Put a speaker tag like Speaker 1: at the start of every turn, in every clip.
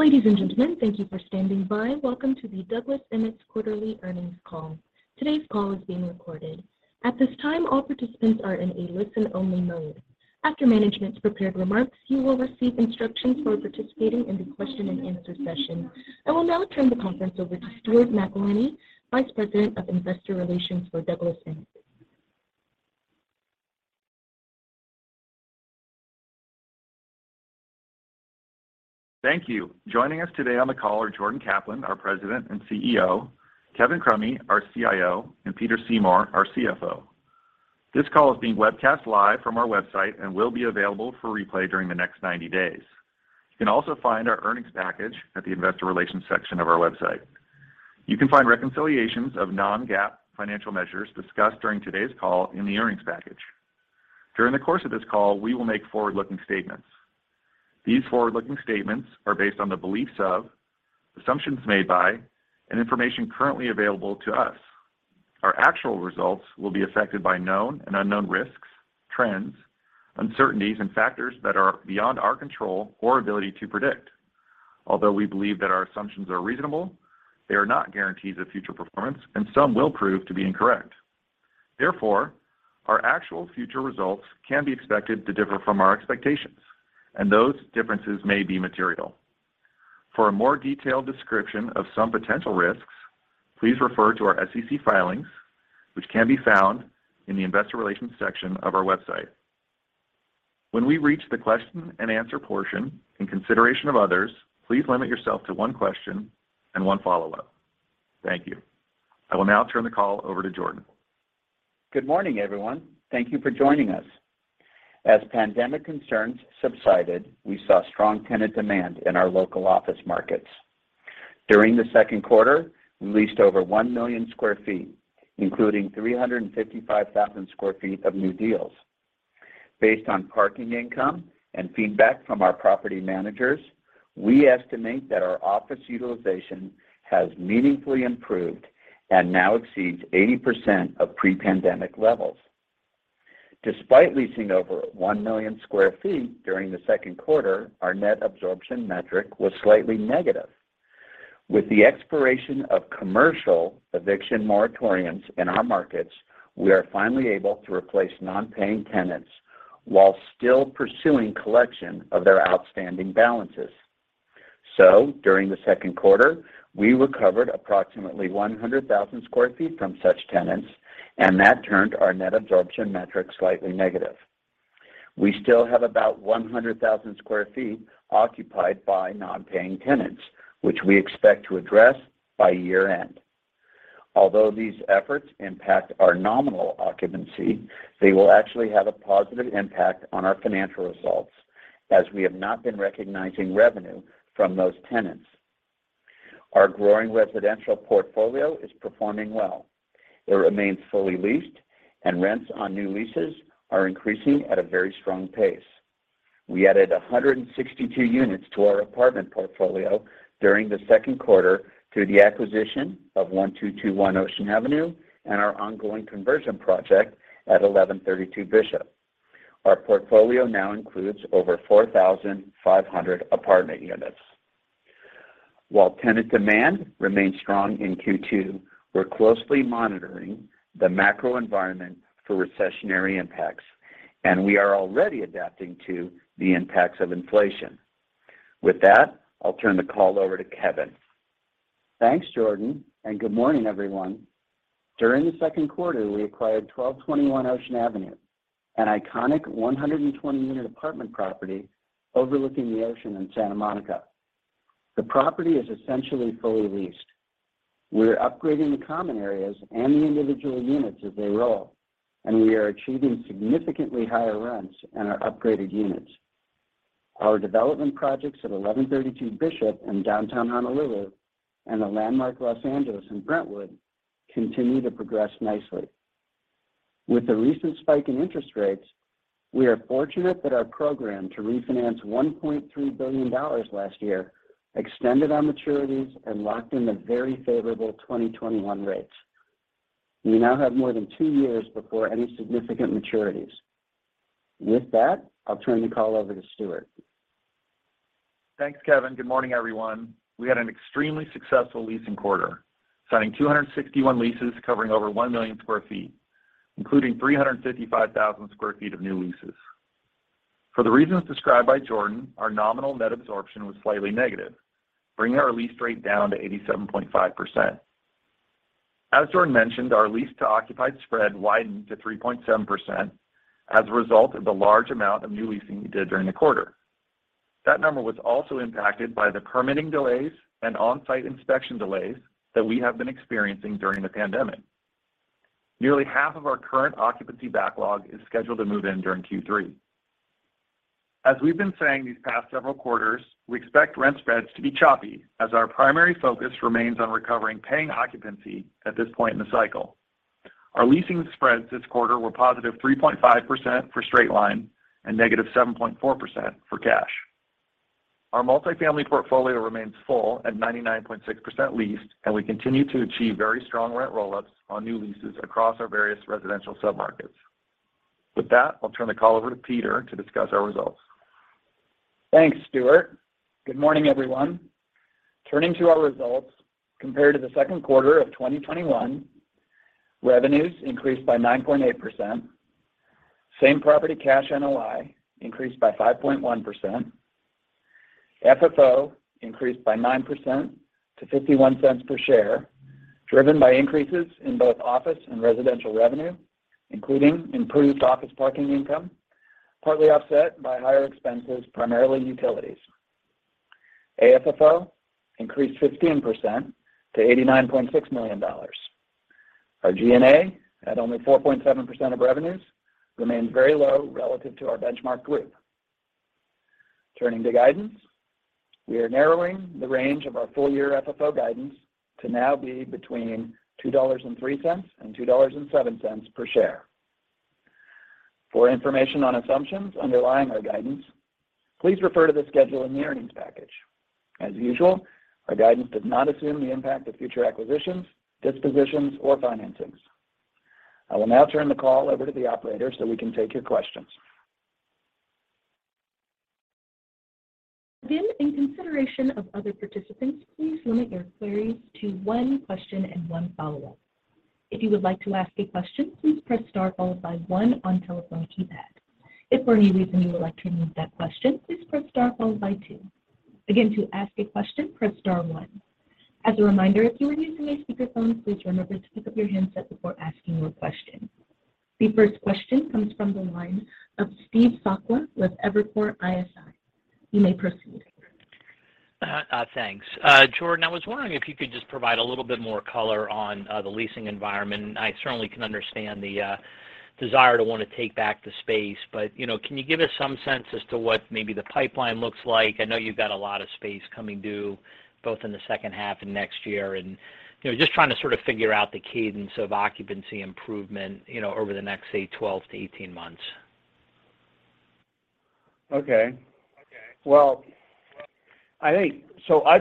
Speaker 1: Ladies and gentlemen, thank you for standing by. Welcome to the Douglas Emmett's quarterly earnings call. Today's call is being recorded. At this time, all participants are in a listen-only mode. After management's prepared remarks, you will receive instructions for participating in the question-and-answer session. I will now turn the conference over to Stuart McElhinney, Vice President of Investor Relations for Douglas Emmett.
Speaker 2: Thank you. Joining us today on the call are Jordan Kaplan, our President and CEO, Kevin Crummy, our CIO, and Peter Seymour, our CFO. This call is being webcast live from our website and will be available for replay during the next 90 days. You can also find our earnings package at the investor relations section of our website. You can find reconciliations of non-GAAP financial measures discussed during today's call in the earnings package. During the course of this call, we will make forward-looking statements. These forward-looking statements are based on the beliefs of, assumptions made by, and information currently available to us. Our actual results will be affected by known and unknown risks, trends, uncertainties, and factors that are beyond our control or ability to predict. Although we believe that our assumptions are reasonable, they are not guarantees of future performance, and some will prove to be incorrect. Therefore, our actual future results can be expected to differ from our expectations, and those differences may be material. For a more detailed description of some potential risks, please refer to our SEC filings, which can be found in the investor relations section of our website. When we reach the question-and-answer portion, in consideration of others, please limit yourself to one question and one follow-up. Thank you. I will now turn the call over to Jordan.
Speaker 3: Good morning, everyone. Thank you for joining us. As pandemic concerns subsided, we saw strong tenant demand in our local office markets. During the second quarter, we leased over 1 million sq ft, including 355,000 sq ft of new deals. Based on parking income and feedback from our property managers, we estimate that our office utilization has meaningfully improved and now exceeds 80% of pre-pandemic levels. Despite leasing over 1 million sq ft during the second quarter, our net absorption metric was slightly negative. With the expiration of commercial eviction moratoriums in our markets, we are finally able to replace non-paying tenants while still pursuing collection of their outstanding balances. During the second quarter, we recovered approximately 100,000 sq ft from such tenants, and that turned our net absorption metric slightly negative. We still have about 100,000 sq ft occupied by non-paying tenants, which we expect to address by year-end. Although these efforts impact our nominal occupancy, they will actually have a positive impact on our financial results as we have not been recognizing revenue from those tenants. Our growing residential portfolio is performing well. It remains fully leased and rents on new leases are increasing at a very strong pace. We added 162 units to our apartment portfolio during the second quarter through the acquisition of 1221 Ocean Avenue and our ongoing conversion project at 1132 Bishop. Our portfolio now includes over 4,500 apartment units. While tenant demand remains strong in Q2, we're closely monitoring the macro environment for recessionary impacts, and we are already adapting to the impacts of inflation. With that, I'll turn the call over to Kevin.
Speaker 4: Thanks, Jordan, and good morning, everyone. During the second quarter, we acquired 1221 Ocean Avenue, an iconic 120-unit apartment property overlooking the ocean in Santa Monica. The property is essentially fully leased. We're upgrading the common areas and the individual units as they roll, and we are achieving significantly higher rents in our upgraded units. Our development projects at 1132 Bishop in downtown Honolulu and The Landmark Los Angeles in Brentwood continue to progress nicely. With the recent spike in interest rates, we are fortunate that our program to refinance $1.3 billion last year extended our maturities and locked in the very favorable 2021 rates. We now have more than 2 years before any significant maturities. With that, I'll turn the call over to Stuart.
Speaker 2: Thanks, Kevin. Good morning, everyone. We had an extremely successful leasing quarter, signing 261 leases covering over 1 million sq ft, including 355,000 sq ft of new leases. For the reasons described by Jordan, our nominal net absorption was slightly negative, bringing our lease rate down to 87.5%. As Jordan mentioned, our lease-to-occupied spread widened to 3.7% as a result of the large amount of new leasing we did during the quarter. That number was also impacted by the permitting delays and on-site inspection delays that we have been experiencing during the pandemic. Nearly half of our current occupancy backlog is scheduled to move in during Q3. As we've been saying these past several quarters, we expect rent spreads to be choppy as our primary focus remains on recovering paying occupancy at this point in the cycle. Our leasing spreads this quarter were positive 3.5% for straight line and negative 7.4% for cash. Our multifamily portfolio remains full at 99.6% leased, and we continue to achieve very strong rent roll-ups on new leases across our various residential submarkets. With that, I'll turn the call over to Peter to discuss our results.
Speaker 5: Thanks, Stuart. Good morning, everyone. Turning to our results, compared to the second quarter of 2021, revenues increased by 9.8%. Same property cash NOI increased by 5.1%. FFO increased by 9% to $0.51 per share, driven by increases in both office and residential revenue, including improved office parking income, partly offset by higher expenses, primarily utilities. AFFO increased 15% to $89.6 million. Our G&A at only 4.7% of revenues remains very low relative to our benchmark group. Turning to guidance, we are narrowing the range of our full-year FFO guidance to now be between $2.03 and $2.07 per share. For information on assumptions underlying our guidance, please refer to the schedule in the earnings package. As usual, our guidance does not assume the impact of future acquisitions, dispositions, or financings. I will now turn the call over to the operator so we can take your questions.
Speaker 1: Again, in consideration of other participants, please limit your queries to one question and one follow-up. If you would like to ask a question, please press star followed by one on telephone keypad. If for any reason you would like to remove that question, please press star followed by two. Again, to ask a question, press star one. As a reminder, if you are using a speakerphone, please remember to pick up your handset before asking your question. The first question comes from the line of Steve Sakwa with Evercore ISI. You may proceed.
Speaker 6: Thanks. Jordan, I was wondering if you could just provide a little bit more color on the leasing environment. I certainly can understand the desire to want to take back the space, but you know, can you give us some sense as to what maybe the pipeline looks like? I know you've got a lot of space coming due both in the second half and next year. You know, just trying to sort of figure out the cadence of occupancy improvement, you know, over the next, say, 12 months-18 months.
Speaker 3: Okay. Well, I think I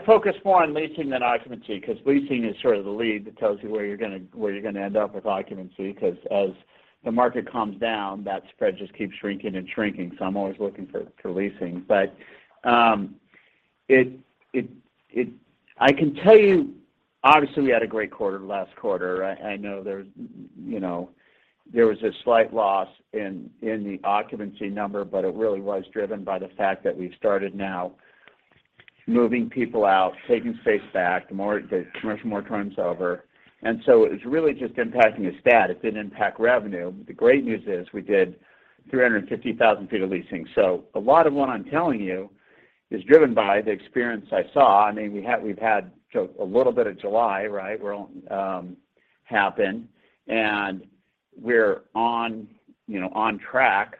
Speaker 3: focus more on leasing than occupancy, 'cause leasing is sort of the lead that tells you where you're gonna end up with occupancy. 'Cause as the market calms down, that spread just keeps shrinking and shrinking. I'm always looking for leasing. But I can tell you, obviously, we had a great quarter last quarter. I know there's, you know, there was a slight loss in the occupancy number, but it really was driven by the fact that we've started now moving people out, taking space back, there's much more turnover. It was really just impacting a stat. It didn't impact revenue. The great news is we did 350,000 sq ft of leasing. A lot of what I'm telling you is driven by the experience I saw. I mean, we've had a little bit of July, right, where all happened, and we're on, you know, on track.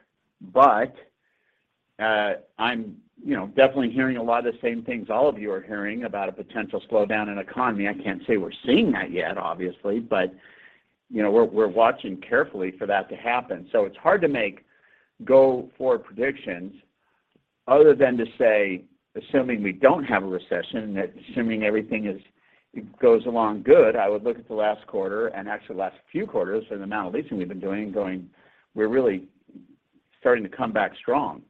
Speaker 3: I'm, you know, definitely hearing a lot of the same things all of you are hearing about a potential slowdown in the economy. I can't say we're seeing that yet, obviously, but, you know, we're watching carefully for that to happen. It's hard to make go-forward predictions other than to say, assuming we don't have a recession, assuming everything goes along good. I would look at the last quarter and actually the last few quarters and the amount of leasing we've been doing and going, we're really starting to come back strong.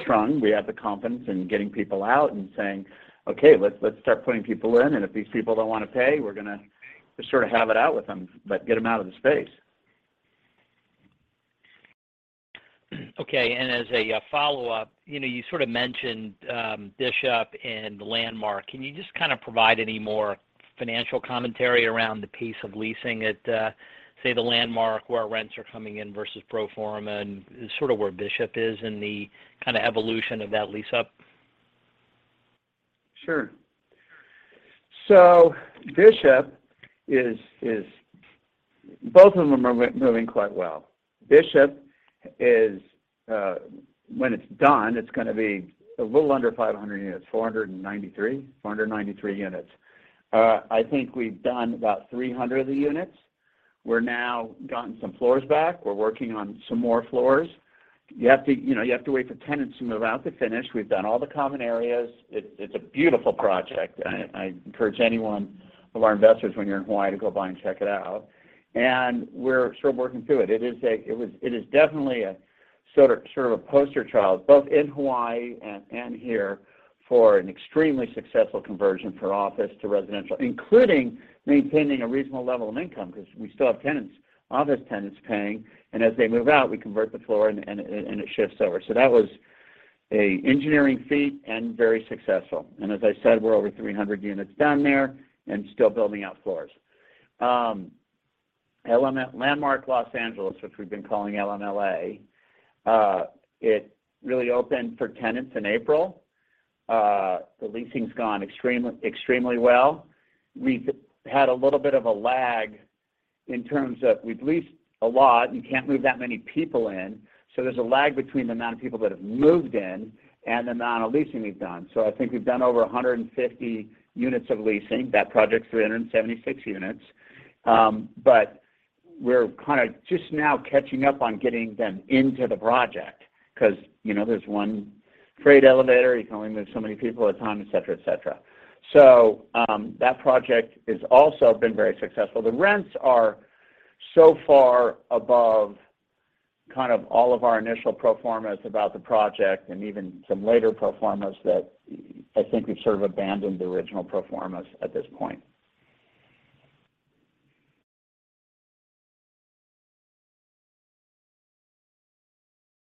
Speaker 3: strong we have the confidence in getting people out and saying, "Okay, let's start putting people in, and if these people don't want to pay, we're gonna sort of have it out with them, but get them out of the space.
Speaker 6: Okay, as a follow-up, you know, you sort of mentioned, Bishop and the Landmark. Can you just kind of provide any more financial commentary around the pace of leasing at, say the Landmark, where our rents are coming in versus pro forma and sort of where Bishop is in the kind of evolution of that lease-up?
Speaker 3: Sure. Bishop is. Both of them are moving quite well. Bishop is, when it's done, it's gonna be a little under 500 units, 493. 493 units. I think we've done about 300 of the units. We're now gotten some floors back. We're working on some more floors. You have to, you know, you have to wait for tenants to move out to finish. We've done all the common areas. It's a beautiful project. I encourage anyone of our investors when you're in Hawaii to go by and check it out. We're still working through it. It is definitely a sort of a poster child, both in Hawaii and here for an extremely successful conversion for office to residential, including maintaining a reasonable level of income 'cause we still have tenants, office tenants paying, and as they move out, we convert the floor and it shifts over. That was an engineering feat and very successful. As I said, we're over 300 units done there and still building out floors. Landmark Los Angeles, which we've been calling LMLA, it really opened for tenants in April. The leasing's gone extremely well. We've had a little bit of a lag in terms of we've leased a lot. You can't move that many people in, so there's a lag between the amount of people that have moved in and the amount of leasing we've done. I think we've done over 150 units of leasing. That project's 376 units. But we're kind of just now catching up on getting them into the project 'cause, you know, there's one freight elevator, you can only move so many people at a time, et cetera, et cetera. That project has also been very successful. The rents are so far above kind of all of our initial pro-formas about the project and even some later pro-formas that I think we've sort of abandoned the original pro-formas at this point.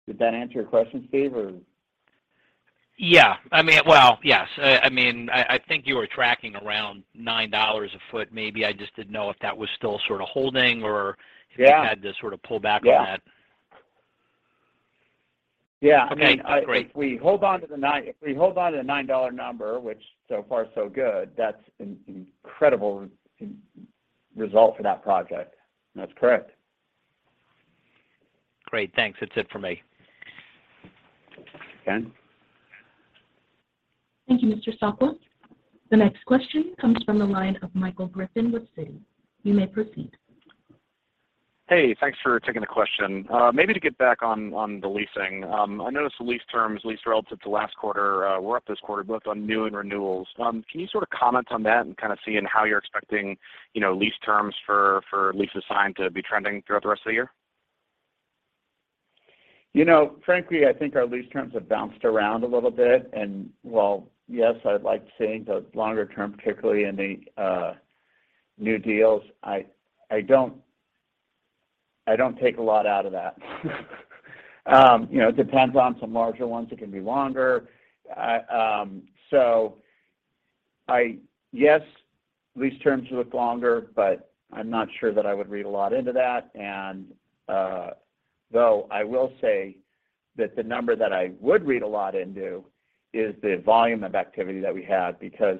Speaker 3: Did that answer your question, Steve, or?
Speaker 6: Yeah. I mean, well, yes. I mean, I think you were tracking around $9 a foot maybe. I just didn't know if that was still sort of holding or-
Speaker 3: Yeah
Speaker 6: If you had to sort of pull back on that.
Speaker 3: Yeah.
Speaker 6: Okay, great.
Speaker 3: I mean, if we hold on to the $9 number, which so far so good, that's an incredible result for that project. That's correct.
Speaker 6: Great. Thanks. That's it for me.
Speaker 3: Ken?
Speaker 1: Thank you, Jordan Kaplan. The next question comes from the line of Michael Bilerman with Citi. You may proceed.
Speaker 7: Hey, thanks for taking the question. Maybe to get back on the leasing. I noticed the lease terms at least relative to last quarter were up this quarter, both on new and renewals. Can you sort of comment on that and kind of see how you're expecting, you know, lease terms for leases signed to be trending throughout the rest of the year?
Speaker 3: You know, frankly, I think our lease terms have bounced around a little bit and while yes, I'd like seeing the longer term, particularly in the new deals, I don't take a lot out of that. You know, it depends on some larger ones, it can be longer. Yes, lease terms look longer, but I'm not sure that I would read a lot into that. Though I will say that the number that I would read a lot into is the volume of activity that we had, because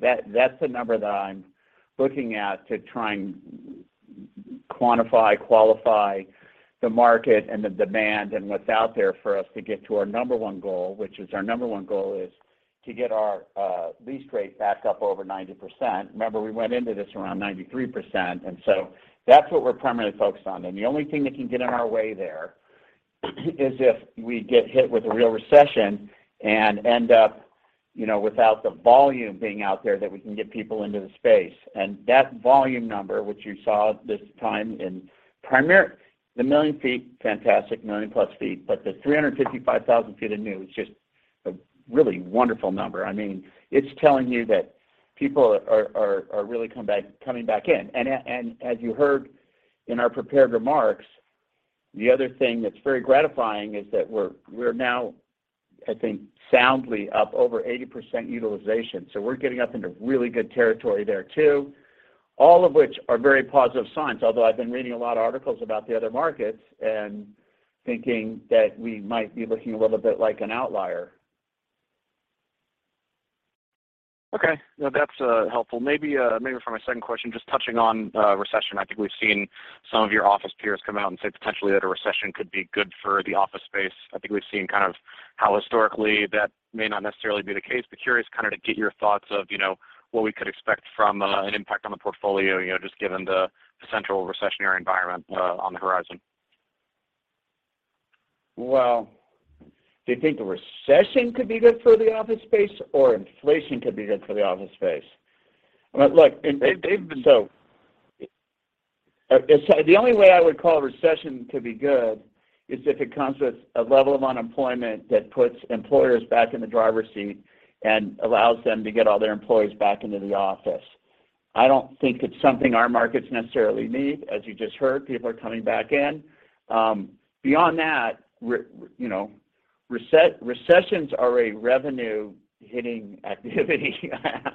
Speaker 3: that's the number that I'm looking at to try and quantify, qualify the market and the demand and what's out there for us to get to our number one goal, which is our number one goal, to get our lease rate back up over 90%. Remember, we went into this around 93%, and so that's what we're primarily focused on. The only thing that can get in our way there is if we get hit with a real recession and end up, you know, without the volume being out there that we can get people into the space. That volume number, which you saw this time in primary. The million sq ft, fantastic, a million plus sq ft, but the 355,000 sq ft of new is just a really wonderful number. I mean, it's telling you that people are really coming back in. As you heard in our prepared remarks, the other thing that's very gratifying is that we're now, I think, soundly up over 80% utilization. We're getting up into really good territory there too, all of which are very positive signs. Although I've been reading a lot of articles about the other markets and thinking that we might be looking a little bit like an outlier.
Speaker 7: Okay. No, that's helpful. Maybe for my second question, just touching on recession. I think we've seen some of your office peers come out and say potentially that a recession could be good for the office space. I think we've seen kind of how historically that may not necessarily be the case, but curious kind of to get your thoughts of, you know, what we could expect from an impact on the portfolio, you know, just given the potential recessionary environment on the horizon.
Speaker 3: Well, do you think a recession could be good for the office space or inflation could be good for the office space? Look.
Speaker 7: They've been so-
Speaker 3: The only way I would call a recession to be good is if it comes with a level of unemployment that puts employers back in the driver's seat and allows them to get all their employees back into the office. I don't think it's something our markets necessarily need. As you just heard, people are coming back in. Beyond that, you know, recessions are a revenue hitting activity.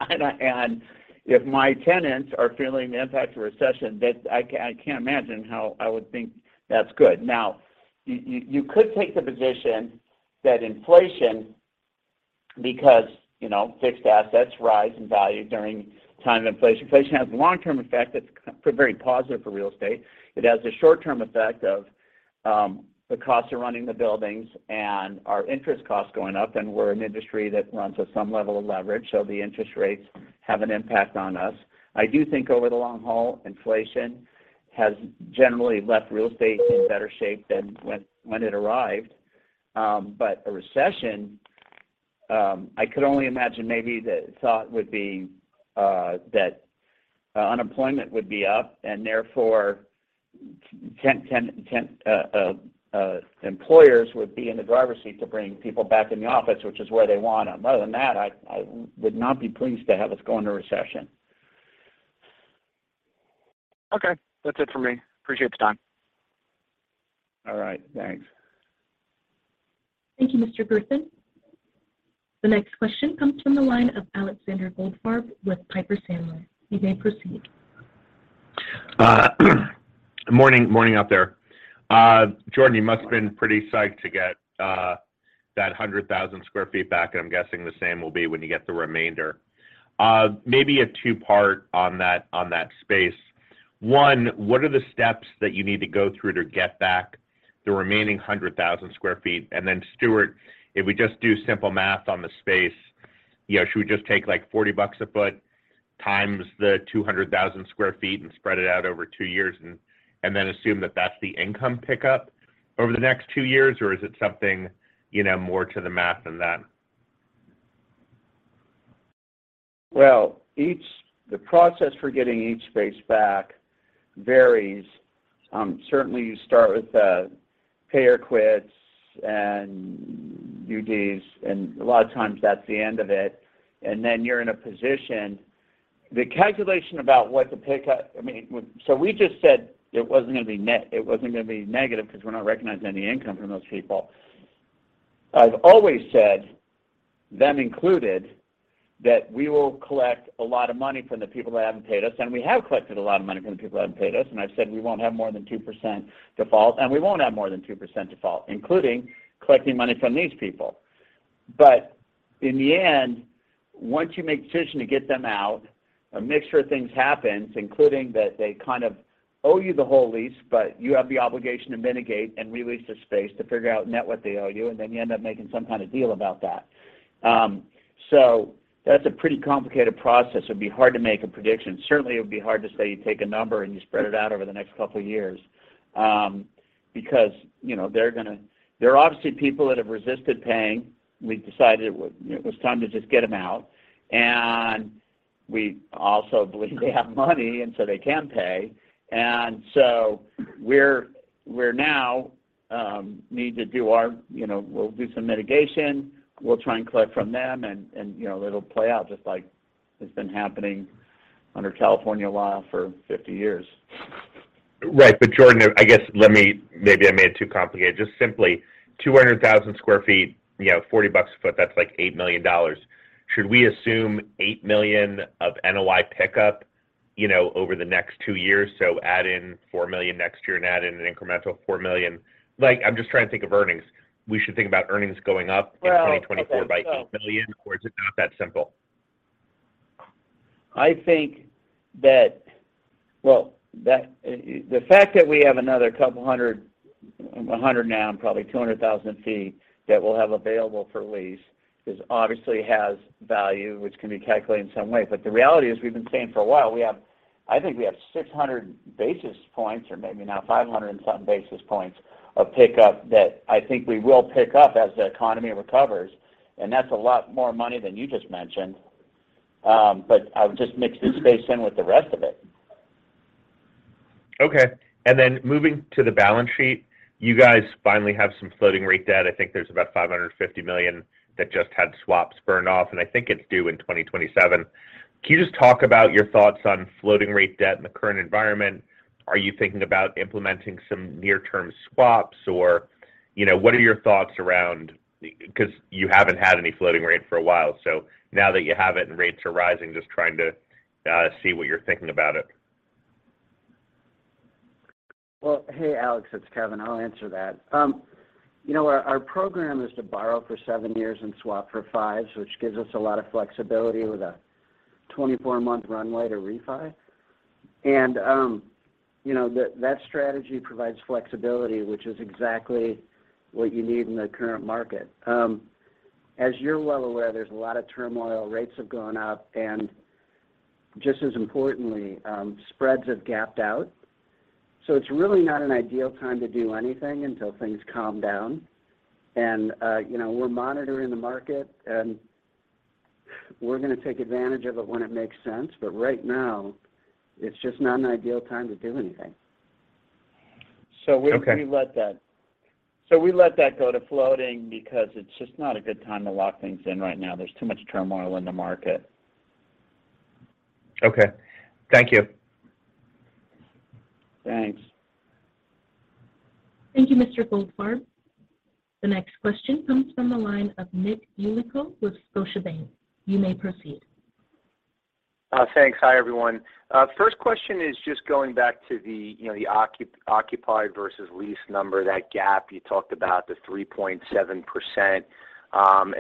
Speaker 3: And if my tenants are feeling the impact of a recession, that's, I can't imagine how I would think that's good. Now, you could take the position that inflation, because, you know, fixed assets rise in value during time of inflation. Inflation has a long-term effect that's very positive for real estate. It has a short-term effect of the costs of running the buildings and our interest costs going up, and we're an industry that runs at some level of leverage, so the interest rates have an impact on us. I do think over the long haul, inflation has generally left real estate in better shape than when it arrived. A recession, I could only imagine maybe the thought would be that unemployment would be up and therefore employers would be in the driver's seat to bring people back in the office, which is where they want them. Other than that, I would not be pleased to have us go into a recession.
Speaker 7: Okay. That's it for me. Appreciate the time.
Speaker 3: All right. Thanks.
Speaker 1: Thank you, Mr. Griffin. The next question comes from the line of Alexander Goldfarb with Piper Sandler. You may proceed.
Speaker 8: Morning out there. Jordan, you must have been pretty psyched to get that 100,000 sq ft back, and I'm guessing the same will be when you get the remainder. Maybe a two-part on that space. One, what are the steps that you need to go through to get back the remaining 100,000 sq ft? Then Stuart, if we just do simple math on the space, you know, should we just take like $40 a foot times the 200,000 sq ft and spread it out over two years and then assume that that's the income pickup over the next two years? Or is it something, you know, more to the math than that?
Speaker 3: Well, the process for getting each space back varies. Certainly you start with pay or quits and UDs, and a lot of times that's the end of it. You're in a position. The calculation about what the pickup. I mean, so we just said it wasn't gonna be negative because we're not recognizing any income from those people. I've always said, them included, that we will collect a lot of money from the people that haven't paid us, and we have collected a lot of money from the people who haven't paid us, and I've said we won't have more than 2% default, including collecting money from these people. In the end, once you make decision to get them out, a mixture of things happens, including that they kind of owe you the whole lease, but you have the obligation to mitigate and re-lease the space to figure out net what they owe you, and then you end up making some kind of deal about that. That's a pretty complicated process. It'd be hard to make a prediction. Certainly it would be hard to say you take a number and you spread it out over the next couple of years, because, you know, there are obviously people that have resisted paying. We've decided it was time to just get them out. We also believe they have money, and so they can pay. We now need to do our, you know, we'll do some mitigation. We'll try and collect from them and, you know, it'll play out just like it's been happening under California law for 50 years.
Speaker 8: Right. Jordan, I guess, maybe I made it too complicated. Just simply 200,000 sq ft, you know, $40 a foot, that's like $8 million. Should we assume $8 million of NOI pickup, you know, over the next two years? Add in $4 million next year and add in an incremental $4 million. Like, I'm just trying to think of earnings. We should think about earnings going up in 2024 by $8 million, or is it not that simple?
Speaker 3: I think that the fact that we have another couple hundred, 100 now and probably 200,000 sq ft that we'll have available for lease is obviously has value, which can be calculated in some way. The reality is we've been saying for a while, we have, I think we have 600 basis points or maybe now 500 and something basis points of pickup that I think we will pick up as the economy recovers, and that's a lot more money than you just mentioned. I would just mix this space in with the rest of it.
Speaker 8: Okay. Then moving to the balance sheet, you guys finally have some floating rate debt. I think there's about $550 million that just had swaps burned off, and I think it's due in 2027. Can you just talk about your thoughts on floating rate debt in the current environment? Are you thinking about implementing some near-term swaps? Or, you know, what are your thoughts around 'Cause you haven't had any floating rate for a while. Now that you have it and rates are rising, just trying to see what you're thinking about it.
Speaker 4: Well, hey, Alex, it's Kevin. I'll answer that. You know, our program is to borrow for seven years and swap for fivess, which gives us a lot of flexibility with a 24-month runway to refi. You know, that strategy provides flexibility, which is exactly what you need in the current market. As you're well aware, there's a lot of turmoil. Rates have gone up, and just as importantly, spreads have gapped out. It's really not an ideal time to do anything until things calm down. You know, we're monitoring the market, and we're gonna take advantage of it when it makes sense. Right now, it's just not an ideal time to do anything.
Speaker 8: Okay.
Speaker 3: We let that go to floating because it's just not a good time to lock things in right now. There's too much turmoil in the market.
Speaker 8: Okay. Thank you.
Speaker 3: Thanks.
Speaker 1: Thank you, Mr. Goldfarb. The next question comes from the line of Nick Yulico with Scotiabank. You may proceed.
Speaker 9: Thanks. Hi, everyone. First question is just going back to the, you know, the occupied versus leased number, that gap you talked about, the 3.7%.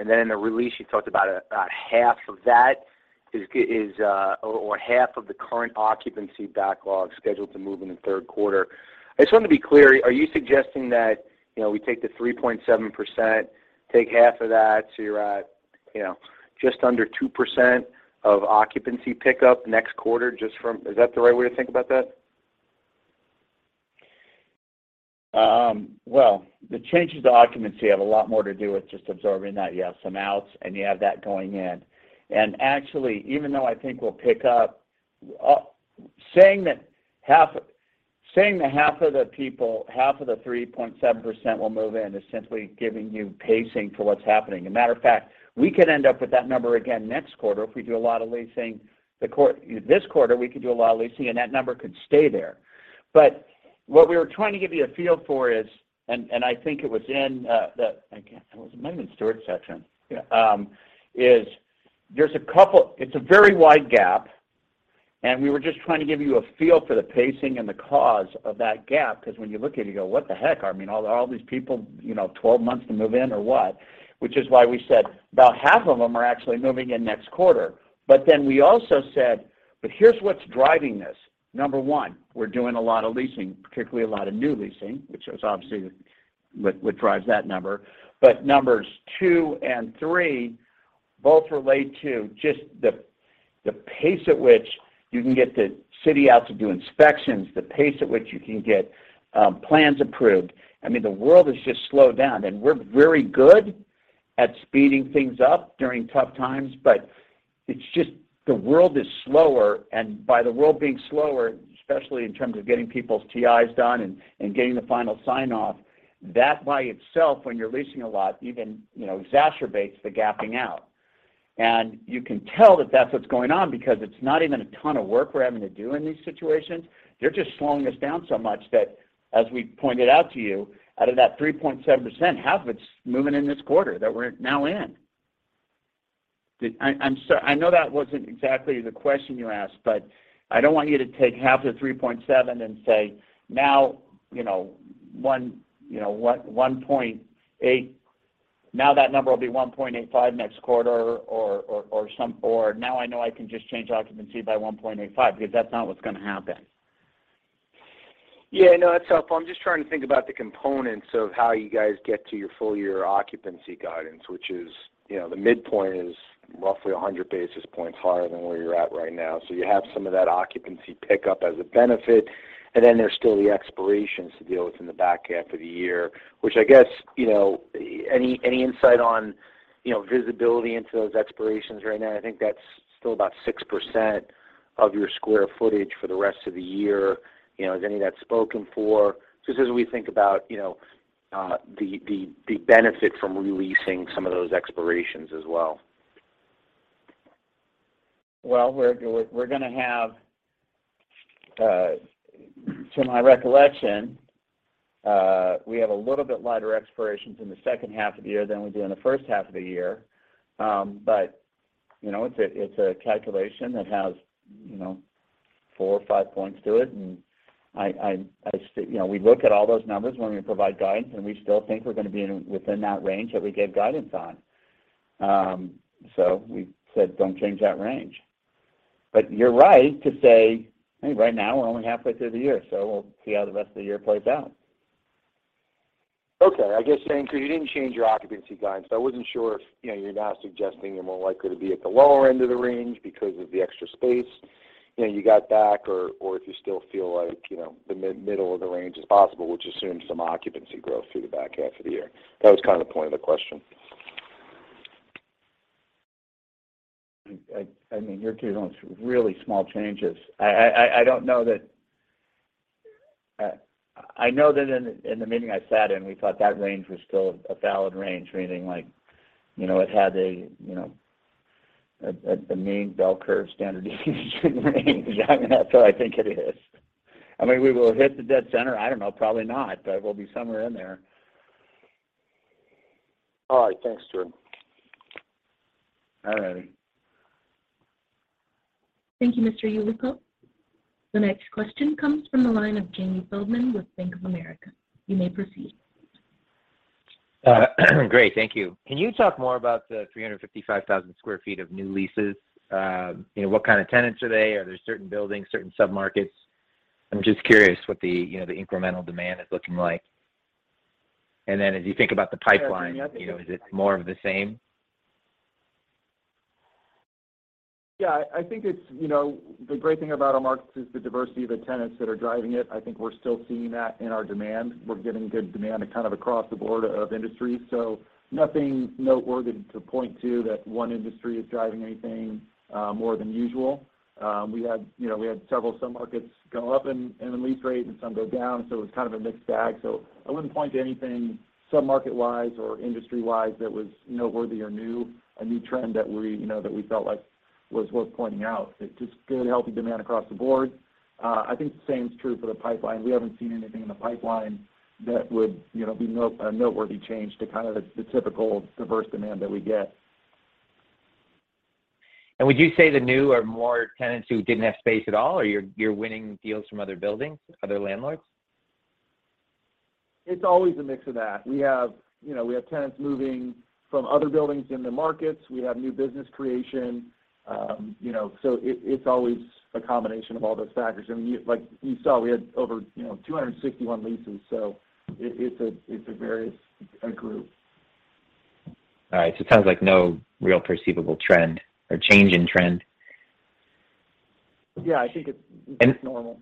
Speaker 9: In the release, you talked about about half of that is or half of the current occupancy backlog scheduled to move in the third quarter. I just wanted to be clear. Are you suggesting that, you know, we take the 3.7%, take half of that, so you're at, you know, just under 2% of occupancy pickup next quarter just from. Is that the right way to think about that?
Speaker 3: Well, the changes to occupancy have a lot more to do with just absorbing that you have some outs and you have that going in. Actually, even though I think we'll pick up saying that half of the 3.7% will move in is simply giving you pacing for what's happening. As a matter of fact, we could end up with that number again next quarter if we do a lot of leasing this quarter, and that number could stay there. What we were trying to give you a feel for is. It was maybe in Stuart's section.
Speaker 4: Yeah.
Speaker 3: There's a couple. It's a very wide gap, and we were just trying to give you a feel for the pacing and the cause of that gap. Because when you look at it, you go, "What the heck? I mean, all these people, you know, twelve months to move in or what?" Which is why we said about half of them are actually moving in next quarter. Then we also said, "But here's what's driving this." Number one, we're doing a lot of leasing, particularly a lot of new leasing, which is obviously what drives that number. Numbers two and three both relate to just the pace at which you can get the city out to do inspections, the pace at which you can get plans approved. I mean, the world has just slowed down, and we're very good at speeding things up during tough times, but it's just the world is slower, and by the world being slower, especially in terms of getting people's TIs done and getting the final sign-off, that by itself, when you're leasing a lot, even, you know, exacerbates the gapping out. You can tell that that's what's going on because it's not even a ton of work we're having to do in these situations. They're just slowing us down so much that, as we pointed out to you, out of that 3.7%, half of it's moving in this quarter that we're now in. I know that wasn't exactly the question you asked, but I don't want you to take half the 3.7% and say, now, you know, 1.8%. Now that number will be 1.85% next quarter or now I know I can just change occupancy by 1.85%, because that's not what's gonna happen.
Speaker 9: Yeah, no, that's helpful. I'm just trying to think about the components of how you guys get to your full year occupancy guidance, which is, you know, the midpoint is roughly 100 basis points higher than where you're at right now. You have some of that occupancy pickup as a benefit, and then there's still the expirations to deal with in the back half of the year, which I guess, you know, any insight on, you know, visibility into those expirations right now? I think that's still about 6% of your square footage for the rest of the year. You know, is any of that spoken for? Just as we think about, you know, the benefit from re-leasing some of those expirations as well.
Speaker 3: Well, we're gonna have, to my recollection, we have a little bit lighter expirations in the second half of the year than we do in the first half of the year. You know, it's a calculation that has, you know, four or five points to it, and we look at all those numbers when we provide guidance, and we still think we're gonna be within that range that we gave guidance on. We said don't change that range. You're right to say, I mean, right now we're only halfway through the year, so we'll see how the rest of the year plays out.
Speaker 9: Okay. I guess saying, 'cause you didn't change your occupancy guidance, so I wasn't sure if, you know, you're now suggesting you're more likely to be at the lower end of the range because of the extra space, you know, you got back, or if you still feel like, you know, the middle of the range is possible, which assumes some occupancy growth through the back half of the year. That was kind of the point of the question.
Speaker 3: I mean, you're dealing with really small changes. I don't know that I know that in the meeting I sat in, we thought that range was still a valid range, meaning like, you know, it had a, you know, a mean bell curve standard deviation range. I mean, that's how I think it is. I mean, we will hit the dead center, I don't know, probably not, but we'll be somewhere in there.
Speaker 9: All right. Thanks, Jordan.
Speaker 3: All righty.
Speaker 1: Thank you, Mr. Yulico. The next question comes from the line of Jamie Feldman with Bank of America. You may proceed.
Speaker 10: Great. Thank you. Can you talk more about the 355,000 sq ft of new leases? You know, what kind of tenants are they? Are there certain buildings, certain submarkets? I'm just curious what the, you know, the incremental demand is looking like. As you think about the pipeline.
Speaker 3: Yeah.
Speaker 10: You know, is it more of the same?
Speaker 3: Yeah. I think it's, you know, the great thing about our markets is the diversity of the tenants that are driving it. I think we're still seeing that in our demand. We're getting good demand and kind of across the board of industries, so nothing noteworthy to point to that one industry is driving anything, more than usual. We had, you know, several submarkets go up in the lease rate and some go down, so it was kind of a mixed bag. I wouldn't point to anything submarket-wise or industry-wise that was noteworthy or new, a new trend that we, you know, felt like was worth pointing out. It's just good, healthy demand across the board. I think the same is true for the pipeline. We haven't seen anything in the pipeline that would, you know, be a noteworthy change to kind of the typical diverse demand that we get.
Speaker 10: Would you say the new or more tenants who didn't have space at all, or you're winning deals from other buildings, other landlords?
Speaker 3: It's always a mix of that. We have, you know, we have tenants moving from other buildings in the markets. We have new business creation, you know, so it's always a combination of all those factors. I mean, like you saw, we had over, you know, 261 leases, so it's a various group.
Speaker 10: All right. It sounds like no real perceivable trend or change in trend.
Speaker 3: Yeah. I think it's.
Speaker 10: And-
Speaker 3: Normal.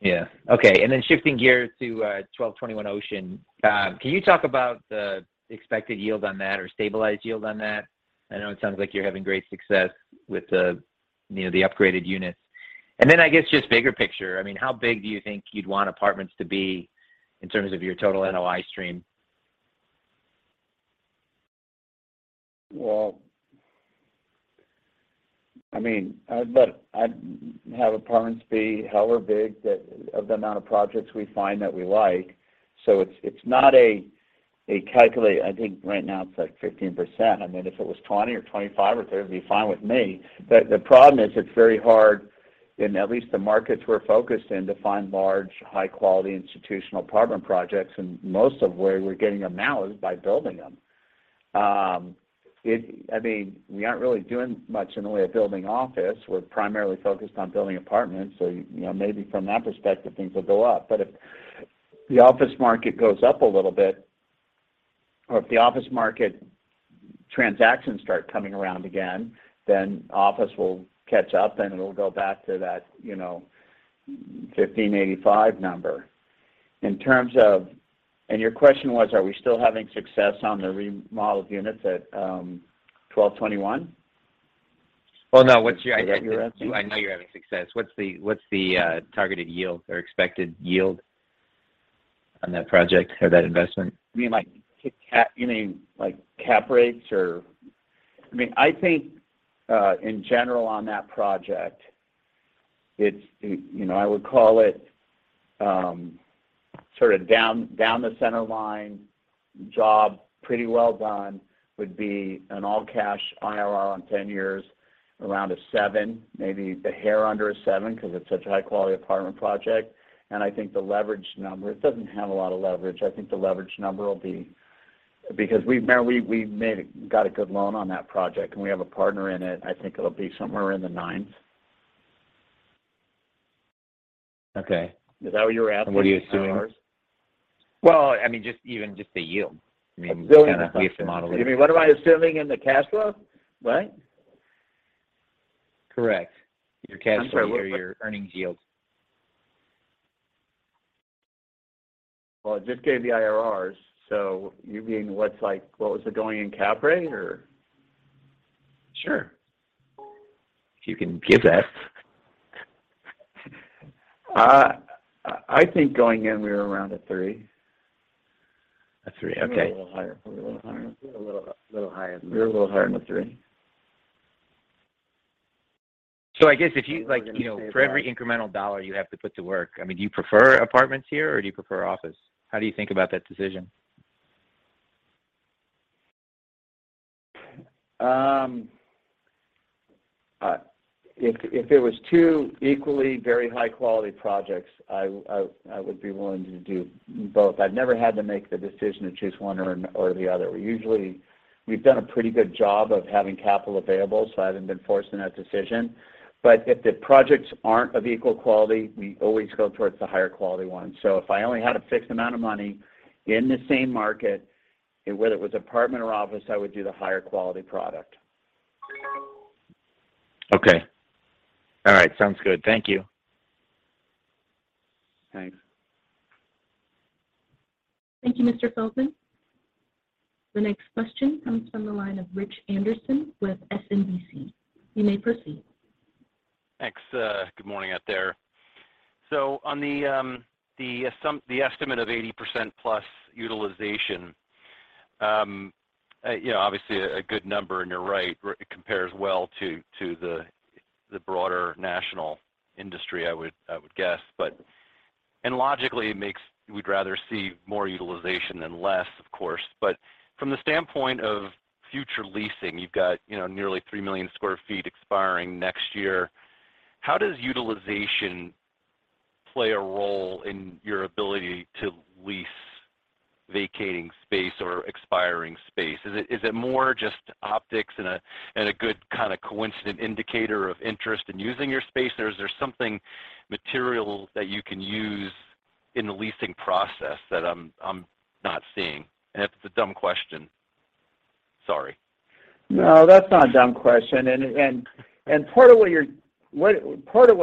Speaker 10: Yeah. Okay. Shifting gears to 1221 Ocean. Can you talk about the expected yield on that or stabilized yield on that? I know it sounds like you're having great success with the, you know, the upgraded units. I guess just bigger picture, I mean, how big do you think you'd want apartments to be in terms of your total NOI stream?
Speaker 3: Well, I mean, look, I'd have apartments be however big that of the amount of projects we find that we like. It's not a calculation. I think right now it's like 15%. I mean, if it was 20% or 25% or 30%, it'd be fine with me. The problem is it's very hard in at least the markets we're focused in to find large, high-quality institutional apartment projects, and most of where we're getting them now is by building them. I mean, we aren't really doing much in the way of building office. We're primarily focused on building apartments, you know, maybe from that perspective, things will go up. If the office market goes up a little bit or if the office market transactions start coming around again, then office will catch up, and it'll go back to that, you know, 15-85 number. Your question was, are we still having success on the remodeled units at 1221?
Speaker 10: Well, no. What's your-
Speaker 3: Is that what you're asking?
Speaker 10: I know you're having success. What's the targeted yield or expected yield on that project or that investment?
Speaker 3: You mean like cap rates or? I mean, I think in general on that project, it's. You know, I would call it sort of down the center line job pretty well done would be an all-cash IRR on 10 years around 7%, maybe a hair under 7% because it's such a high-quality apartment project. I think the leverage number, it doesn't have a lot of leverage. I think the leverage number will be because now we got a good loan on that project, and we have a partner in it. I think it'll be somewhere in the 9s.
Speaker 10: Okay.
Speaker 3: Is that what you're asking, the IRRs?
Speaker 10: What are you assuming? Well, I mean, just even the yield. I mean.
Speaker 3: The building assumption.
Speaker 10: kind of if the model
Speaker 3: You mean what am I assuming in the cash flow? Right?
Speaker 10: Correct. Your cash flow.
Speaker 3: I'm sorry, what?
Speaker 10: Your earnings yield.
Speaker 3: Well, I just gave the IRRs, so you mean what's like what was it going in cap rate or?
Speaker 10: Sure. If you can give that.
Speaker 3: I think going in we were around a three.
Speaker 10: A three. Okay.
Speaker 3: Maybe a little higher. Probably a little higher. A little higher. We were a little higher than a three.
Speaker 10: I guess if you like.
Speaker 3: We're gonna say about.
Speaker 10: You know, for every incremental dollar you have to put to work, I mean, do you prefer apartments here, or do you prefer office? How do you think about that decision?
Speaker 3: If it was two equally very high-quality projects, I would be willing to do both. I've never had to make the decision to choose one or the other. We've done a pretty good job of having capital available, so I haven't been forced in that decision. If the projects aren't of equal quality, we always go towards the higher quality one. If I only had a fixed amount of money in the same market, whether it was apartment or office, I would do the higher quality product.
Speaker 10: Okay. All right. Sounds good. Thank you.
Speaker 3: Thanks.
Speaker 1: Thank you, Mr. Feldman. The next question comes from the line of Rich Anderson with SMBC. You may proceed.
Speaker 11: Thanks. Good morning out there. On the estimate of 80%+ utilization, you know, obviously a good number, and you're right. It compares well to the broader national industry, I would guess. We'd rather see more utilization than less, of course. From the standpoint of future leasing, you've got nearly 3 million sq ft expiring next year. How does utilization play a role in your ability to lease vacating space or expiring space? Is it more just optics and a good kind of coincident indicator of interest in using your space, or is there something material that you can use in the leasing process that I'm not seeing? If it's a dumb question, sorry.
Speaker 3: No, that's not a dumb question. Part of what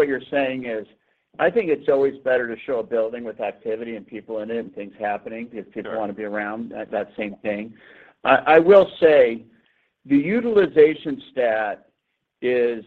Speaker 3: you're saying is I think it's always better to show a building with activity and people in it and things happening.
Speaker 11: Sure
Speaker 3: because people want to be around that same thing. I will say the utilization stat is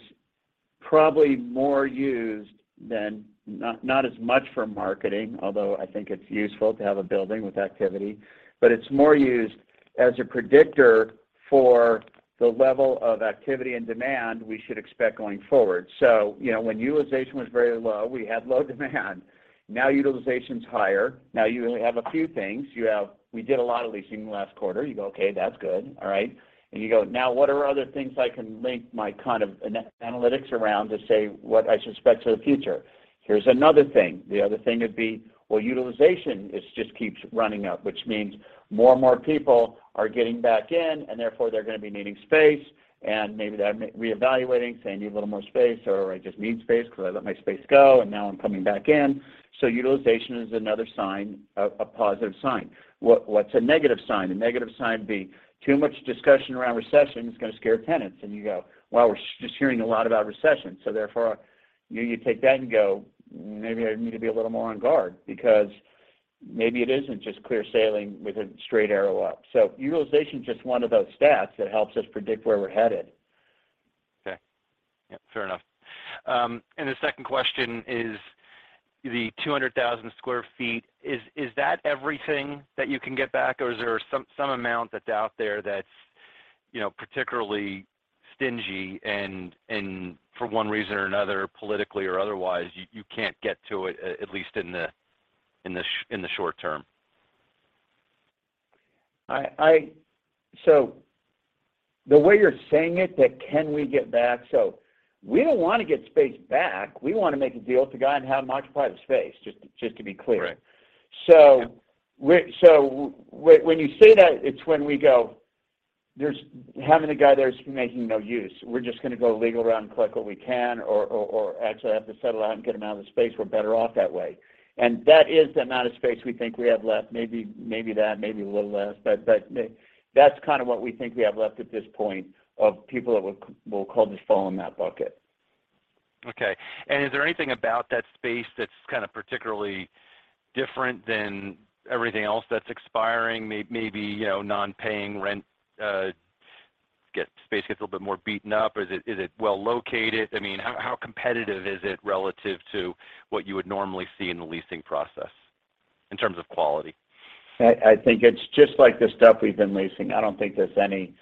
Speaker 3: probably more used than not as much for marketing, although I think it's useful to have a building with activity, but it's more used as a predictor for the level of activity and demand we should expect going forward. You know, when utilization was very low, we had low demand. Now, utilization's higher. Now, you have a few things. You have, we did a lot of leasing last quarter. You go, "Okay, that's good." All right. You go, "Now what are other things I can link my kind of analytics around to say what I should expect for the future?" Here's another thing. The other thing would be, well, utilization is just keeps running up, which means more and more people are getting back in, and therefore they're gonna be needing space, and maybe they're reevaluating, saying, "I need a little more space," or, "I just need space because I let my space go and now I'm coming back in." Utilization is another sign, a positive sign. What's a negative sign? A negative sign would be too much discussion around recession is gonna scare tenants, and you go, "Well, we're just hearing a lot about recession." Therefore, you know, you take that and go, "Maybe I need to be a little more on guard," because maybe it isn't just clear sailing with a straight arrow up. Utilization's just one of those stats that helps us predict where we're headed.
Speaker 11: Okay. Yeah, fair enough. The second question is the 200,000 sq ft, is that everything that you can get back, or is there some amount that's out there that's, you know, particularly stingy and for one reason or another, politically or otherwise, you can't get to it at least in the short term?
Speaker 3: The way you're saying it, that can we get back? We don't wanna get space back. We wanna make a deal with the guy and have him occupy the space, just to be clear.
Speaker 11: Right.
Speaker 3: So-
Speaker 11: Yeah
Speaker 3: when you say that, it's when we go there having a guy there who's making no use. We're just gonna go legal route and collect what we can or actually have to settle out and get him out of the space. We're better off that way. That is the amount of space we think we have left. Maybe that, maybe a little less, but that's kind of what we think we have left at this point, people that we'll call just fall in that bucket.
Speaker 11: Okay. Is there anything about that space that's kind of particularly different than everything else that's expiring? Maybe, you know, non-paying rent, space gets a little bit more beaten up? Is it well located? I mean, how competitive is it relative to what you would normally see in the leasing process in terms of quality?
Speaker 3: I think it's just like the stuff we've been leasing. I don't think there's any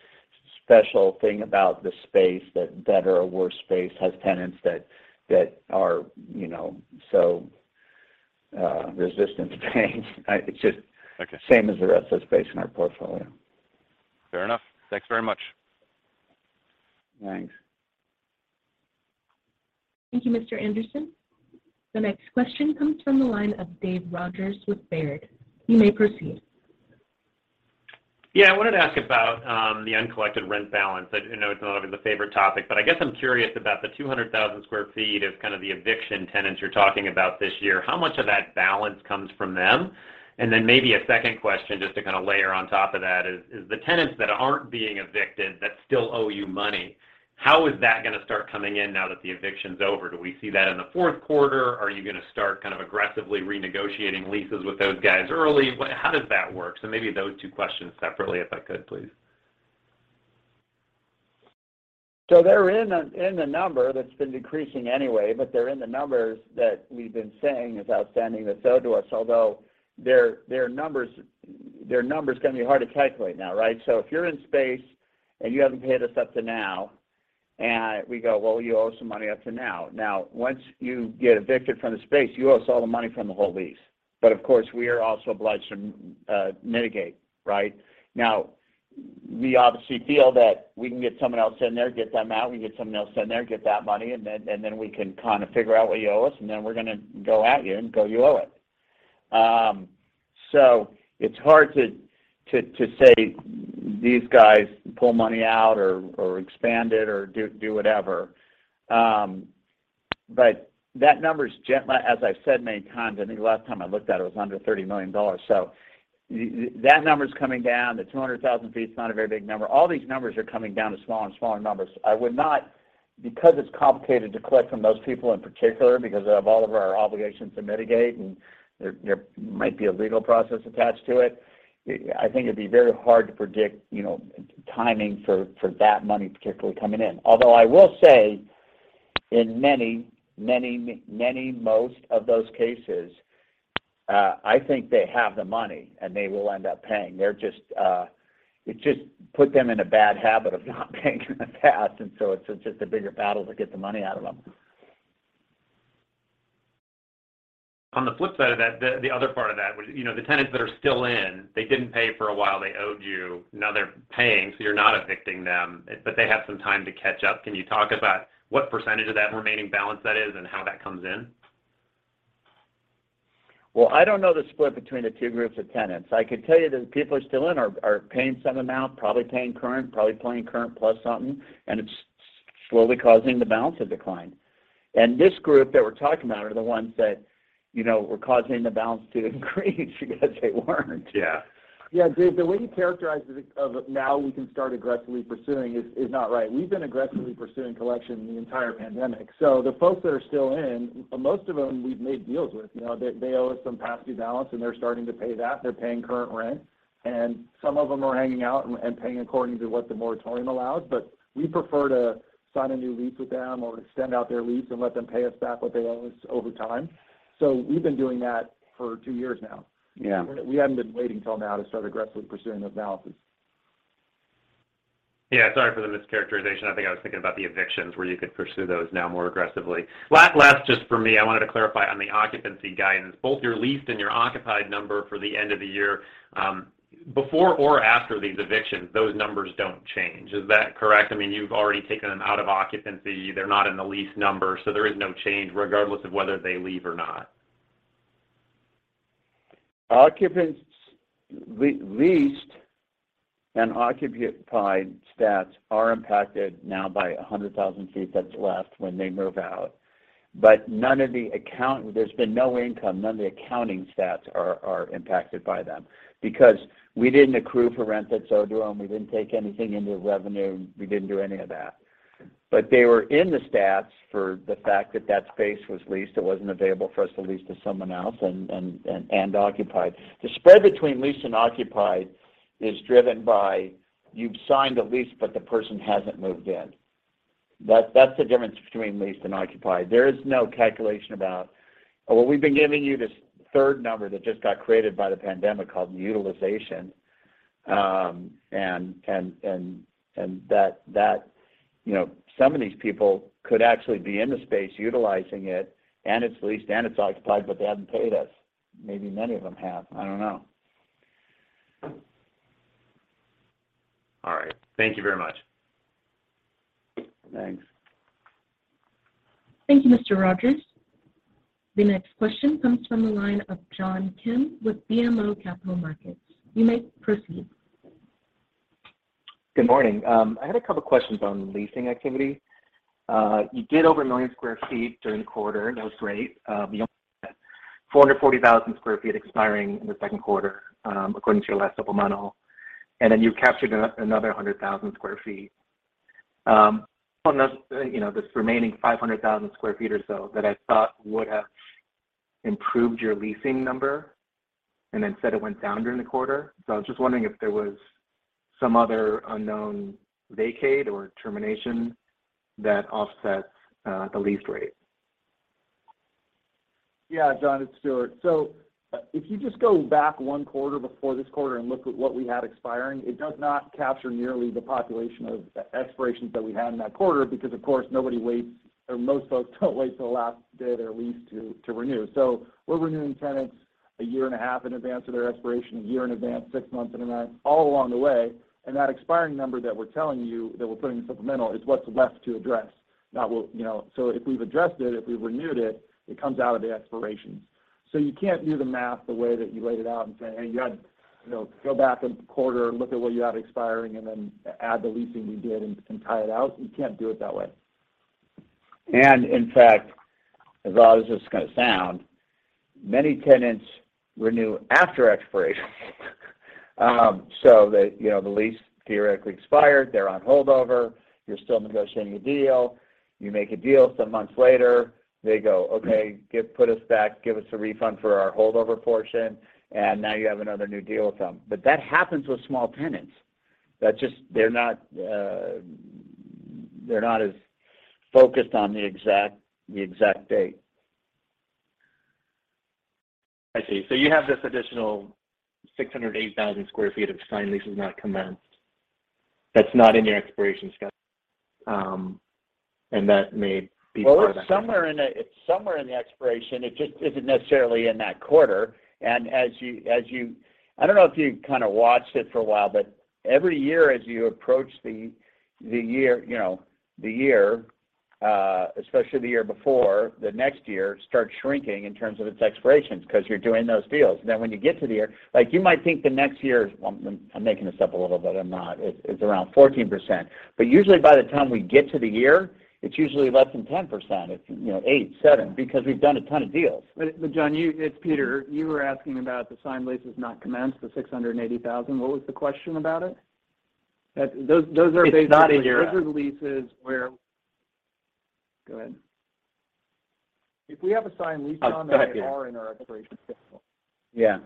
Speaker 3: special thing about the space that better or worse space has tenants that are, you know, so resistant to paying. It's just-
Speaker 11: Okay
Speaker 3: same as the rest of the space in our portfolio.
Speaker 11: Fair enough. Thanks very much.
Speaker 3: Thanks.
Speaker 1: Thank you, Mr. Anderson. The next question comes from the line of Dave Rogers with Baird. You may proceed.
Speaker 12: Yeah. I wanted to ask about the uncollected rent balance. I just know it's not the favorite topic, but I guess I'm curious about the 200,000 sq ft of kind of the eviction tenants you're talking about this year. How much of that balance comes from them? Maybe a second question, just to kind of layer on top of that is the tenants that aren't being evicted that still owe you money, how is that gonna start coming in now that the eviction's over? Do we see that in the fourth quarter? Are you gonna start kind of aggressively renegotiating leases with those guys early? How does that work? Maybe those two questions separately, if I could, please.
Speaker 3: They're in a number that's been decreasing anyway, but they're in the numbers that we've been saying is outstanding that's owed to us. Although their numbers can be hard to calculate now, right? If you're in space and you haven't paid us up to now, and we go, "Well, you owe some money up to now." Now, once you get evicted from the space, you owe us all the money from the whole lease. Of course, we are also obliged to mitigate, right? Now, we obviously feel that we can get someone else in there, get them out, we get someone else in there, get that money, and then we can kind of figure out what you owe us, and then we're gonna go at you and go, "You owe it." So it's hard to say these guys pull money out or expand it or do whatever. But that number's. As I've said many times, I think last time I looked at it was under $30 million. So that number's coming down. The 200,000 sq ft, it's not a very big number. All these numbers are coming down to smaller and smaller numbers. I would not. Because it's complicated to collect from those people in particular because of all of our obligations to mitigate and there might be a legal process attached to it. I think it'd be very hard to predict, you know, timing for that money particularly coming in. Although I will say in many, most of those cases, I think they have the money, and they will end up paying. They're just. It just put them in a bad habit of not paying in the past, and so it's just a bigger battle to get the money out of them.
Speaker 12: On the flip side of that, the other part of that, which, you know, the tenants that are still in, they didn't pay for a while. They owed you. Now they're paying, so you're not evicting them, but they have some time to catch up. Can you talk about what percentage of that remaining balance that is and how that comes in?
Speaker 3: Well, I don't know the split between the two groups of tenants. I could tell you that people are still in or paying some amount, probably paying current plus something, and it's slowly causing the balance to decline. This group that we're talking about are the ones that, you know, were causing the balance to increase because they weren't.
Speaker 12: Yeah.
Speaker 2: Yeah, Dave, the way you characterize it, as of now we can start aggressively pursuing is not right. We've been aggressively pursuing collection the entire pandemic. The folks that are still in, most of them we've made deals with. You know, they owe us some past due balance, and they're starting to pay that. They're paying current rent. Some of them are hanging out and paying according to what the moratorium allows. We prefer to sign a new lease with them or extend out their lease and let them pay us back what they owe us over time. We've been doing that for two years now.
Speaker 12: Yeah.
Speaker 2: We haven't been waiting till now to start aggressively pursuing those balances.
Speaker 12: Yeah, sorry for the mischaracterization. I think I was thinking about the evictions where you could pursue those now more aggressively. Last just for me, I wanted to clarify on the occupancy guidance. Both your leased and your occupied number for the end of the year, before or after these evictions, those numbers don't change. Is that correct? I mean, you've already taken them out of occupancy. They're not in the lease number, so there is no change regardless of whether they leave or not.
Speaker 3: Leased and occupied stats are impacted now by 100,000 sq ft that's left when they move out. There's been no income. None of the accounting stats are impacted by them because we didn't accrue for rent that's owed to them. We didn't take anything into revenue. We didn't do any of that. They were in the stats for the fact that that space was leased. It wasn't available for us to lease to someone else and occupied. The spread between leased and occupied is driven by you've signed a lease, but the person hasn't moved in. That's the difference between leased and occupied. There is no calculation about. Well, we've been giving you this third number that just got created by the pandemic called utilization, and that, you know, some of these people could actually be in the space utilizing it, and it's leased, and it's occupied, but they haven't paid us. Maybe many of them have. I don't know.
Speaker 12: All right. Thank you very much.
Speaker 3: Thanks.
Speaker 1: Thank you, Mr. Rogers. The next question comes from the line of John Kim with BMO Capital Markets. You may proceed.
Speaker 13: Good morning. I had a couple questions on leasing activity. You did over 1 million sq ft during the quarter. That was great. You own 440,000 sq ft expiring in the second quarter, according to your last supplemental. Then you captured another 100,000 sq ft. You know, this remaining 500,000 sq ft or so that I thought would have improved your leasing number, and instead it went down during the quarter. I was just wondering if there was some other unknown vacate or termination that offsets the lease rate.
Speaker 2: Yeah, John, it's Stuart. If you just go back one quarter before this quarter and look at what we had expiring, it does not capture nearly the population of expirations that we had in that quarter because of course, nobody waits, or most folks don't wait till the last day of their lease to renew. We're renewing tenants a year and a half in advance of their expiration, a year in advance, six months in advance, all along the way. That expiring number that we're telling you, that we're putting in supplemental, is what's left to address. Not what you know. If we've addressed it, if we've renewed it comes out of the expiration. You can't do the math the way that you laid it out and say, "Hey, you had..." You know, go back a quarter, look at what you had expiring, and then add the leasing you did and tie it out. You can't do it that way.
Speaker 3: In fact, as odd as this is gonna sound, many tenants renew after expiration. They, you know, the lease theoretically expired. They're on holdover. You're still negotiating a deal. You make a deal some months later. They go, "Okay, Put us back. Give us a refund for our holdover portion." Now you have another new deal with them. That happens with small tenants. That just... They're not, they're not as focused on the exact date.
Speaker 13: I see. You have this additional 680,000 sq ft of signed leases not commenced. That's not in your expiration schedule, and that may be part of that.
Speaker 3: Well, it's somewhere in the expiration. It just isn't necessarily in that quarter. As you... I don't know if you kind of watched it for a while, but every year as you approach the year, you know, the year, especially the year before, the next year starts shrinking in terms of its expirations because you're doing those deals. Then when you get to the year, like, you might think the next year, well, I'm making this up a little bit. I'm not. It's around 14%. Usually by the time we get to the year, it's usually less than 10%. It's, you know, 8%, 7%, because we've done a ton of deals.
Speaker 5: John, it's Peter. You were asking about the signed leases not commenced, the 680,000. What was the question about it? That's. Those are basically
Speaker 13: It's not in your,
Speaker 5: Those are the leases where. Go ahead. If we have a signed lease.
Speaker 13: Oh, go ahead, Peter.
Speaker 8: Once they are in our expiration schedule.
Speaker 3: Yeah.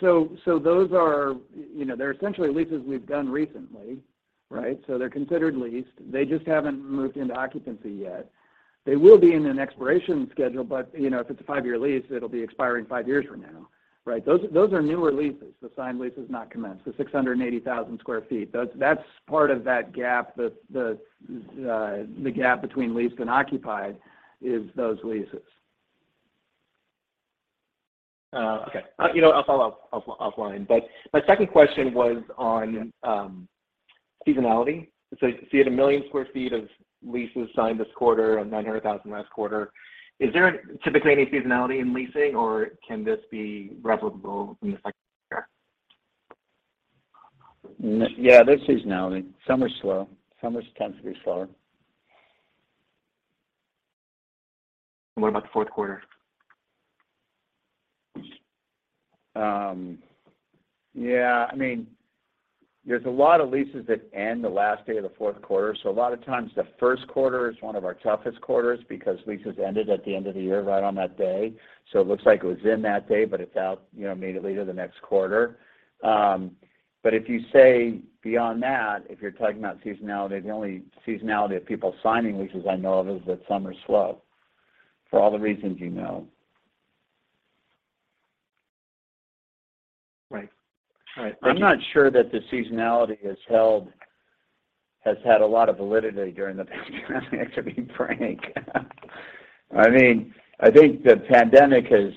Speaker 5: Those are, you know, they're essentially leases we've done recently, right? They're considered leased. They just haven't moved into occupancy yet. They will be in an expiration schedule, but you know, if it's a five-year lease, it'll be expiring five years from now, right? Those are newer leases, the signed leases not commenced, the 680,000 sq ft. That's part of that gap, the gap between leased and occupied is those leases.
Speaker 13: You know, I'll follow up offline. My second question was on seasonality. You see 1 million sq ft of leases signed this quarter and 900,000 sq ft last quarter. Is there typically any seasonality in leasing, or can this be replicable in the second year?
Speaker 3: Yeah, there's seasonality. Summer's slow. Summers tend to be slower.
Speaker 13: What about the fourth quarter?
Speaker 3: Yeah, I mean, there's a lot of leases that end the last day of the fourth quarter, so a lot of times the first quarter is one of our toughest quarters because leases ended at the end of the year, right on that day. It looks like it was in that day, but it's out, you know, immediately to the next quarter. If you say beyond that, if you're talking about seasonality, the only seasonality of people signing leases I know of is that summer's slow for all the reasons you know.
Speaker 13: Right. All right. Thank you.
Speaker 3: I'm not sure that the seasonality has held, has had a lot of validity during the pandemic, to be frank. I mean, I think the pandemic has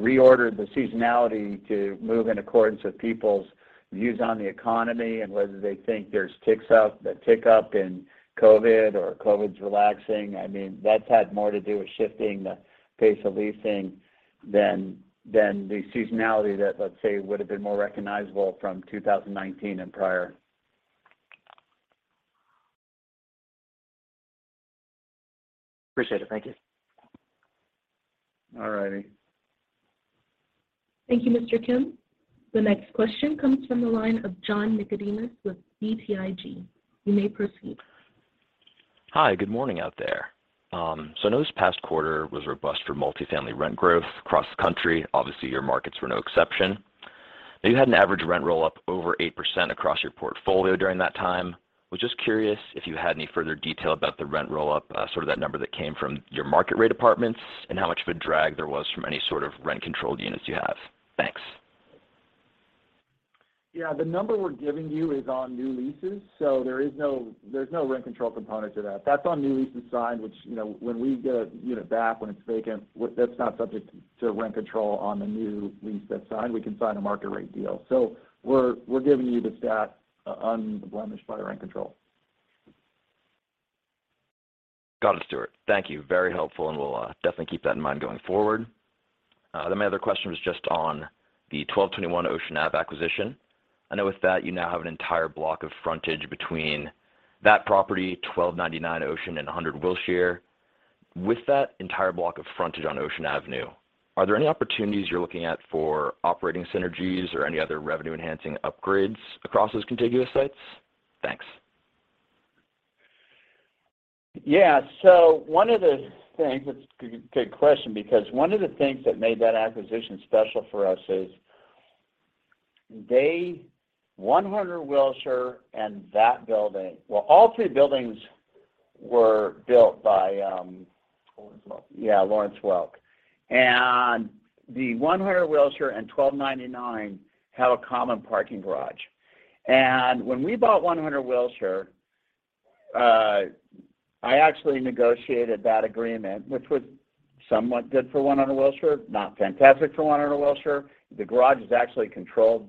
Speaker 3: reordered the seasonality to move in accordance with people's views on the economy and whether they think there's a tick up in COVID or COVID's relaxing. I mean, that's had more to do with shifting the pace of leasing than the seasonality that, let's say, would've been more recognizable from 2019 and prior.
Speaker 13: Appreciate it. Thank you.
Speaker 3: All righty.
Speaker 1: Thank you, Mr. Kim. The next question comes from the line of John Nickodemus with BTIG. You may proceed.
Speaker 14: Hi. Good morning out there. I know this past quarter was robust for multifamily rent growth across the country. Obviously, your markets were no exception. Now, you had an average rent roll-up over 8% across your portfolio during that time. Was just curious if you had any further detail about the rent roll-up, sort of that number that came from your market rate apartments, and how much of a drag there was from any sort of rent-controlled units you have. Thanks.
Speaker 2: Yeah. The number we're giving you is on new leases, so there's no rent control component to that. That's on new leases signed, which, you know, when we get a unit back when it's vacant, that's not subject to rent control on the new lease that's signed. We can sign a market rate deal. We're giving you the stat unblemished by rent control.
Speaker 14: Got it, Stuart. Thank you. Very helpful, and we'll definitely keep that in mind going forward. My other question was just on the 1221 Ocean Ave acquisition. I know with that you now have an entire block of frontage between that property, 1299 Ocean, and 100 Wilshire. With that entire block of frontage on Ocean Avenue, are there any opportunities you're looking at for operating synergies or any other revenue-enhancing upgrades across those contiguous sites? Thanks.
Speaker 3: Yeah. One of the things. It's good question, because one of the things that made that acquisition special for us is the 100 Wilshire and that building. Well, all three buildings were built by
Speaker 2: Lawrence Welk.
Speaker 3: Yeah, Lawrence Welk. The 100 Wilshire and 1299 have a common parking garage. When we bought 100 Wilshire, I actually negotiated that agreement, which was somewhat good for 100 Wilshire, not fantastic for 100 Wilshire. The garage is actually controlled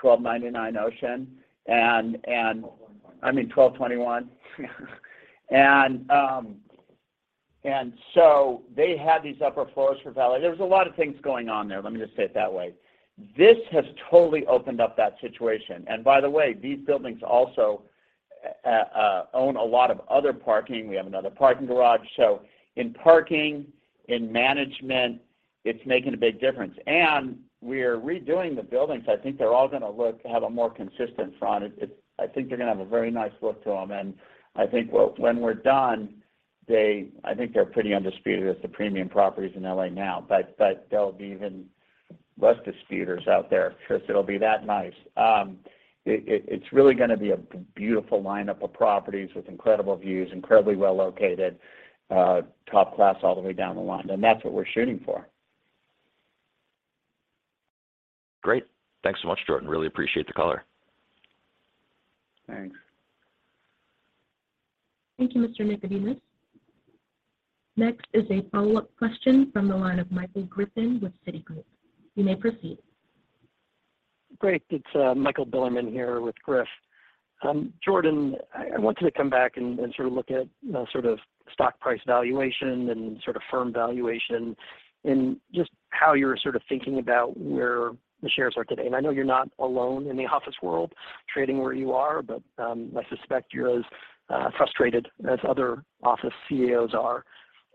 Speaker 3: by 1299 Ocean.
Speaker 2: 12:21.
Speaker 3: I mean 1221. They had these upper floors for valet. There was a lot of things going on there, let me just say it that way. This has totally opened up that situation. By the way, these buildings also own a lot of other parking. We have another parking garage. In parking, in management, it's making a big difference. We're redoing the buildings. I think they're all gonna look have a more consistent front. I think they're gonna have a very nice look to them. I think when we're done, I think they're pretty undisputed as the premium properties in L.A. now, but there'll be even less disputers out there, Chris. It'll be that nice. It's really gonna be a beautiful lineup of properties with incredible views, incredibly well-located, top class all the way down the line, and that's what we're shooting for.
Speaker 14: Great. Thanks so much, Jordan. Really appreciate the color.
Speaker 3: Thanks.
Speaker 1: Thank you, Mr. Nickodemus. Next is a follow-up question from the line of Michael Griffin with Citigroup. You may proceed.
Speaker 7: Great. It's Michael Bilerman here with Citi. Jordan, I want you to come back and sort of look at, you know, sort of stock price valuation and sort of firm valuation, and just how you're sort of thinking about where the shares are today. I know you're not alone in the office world trading where you are, but I suspect you're as frustrated as other office CEOs are.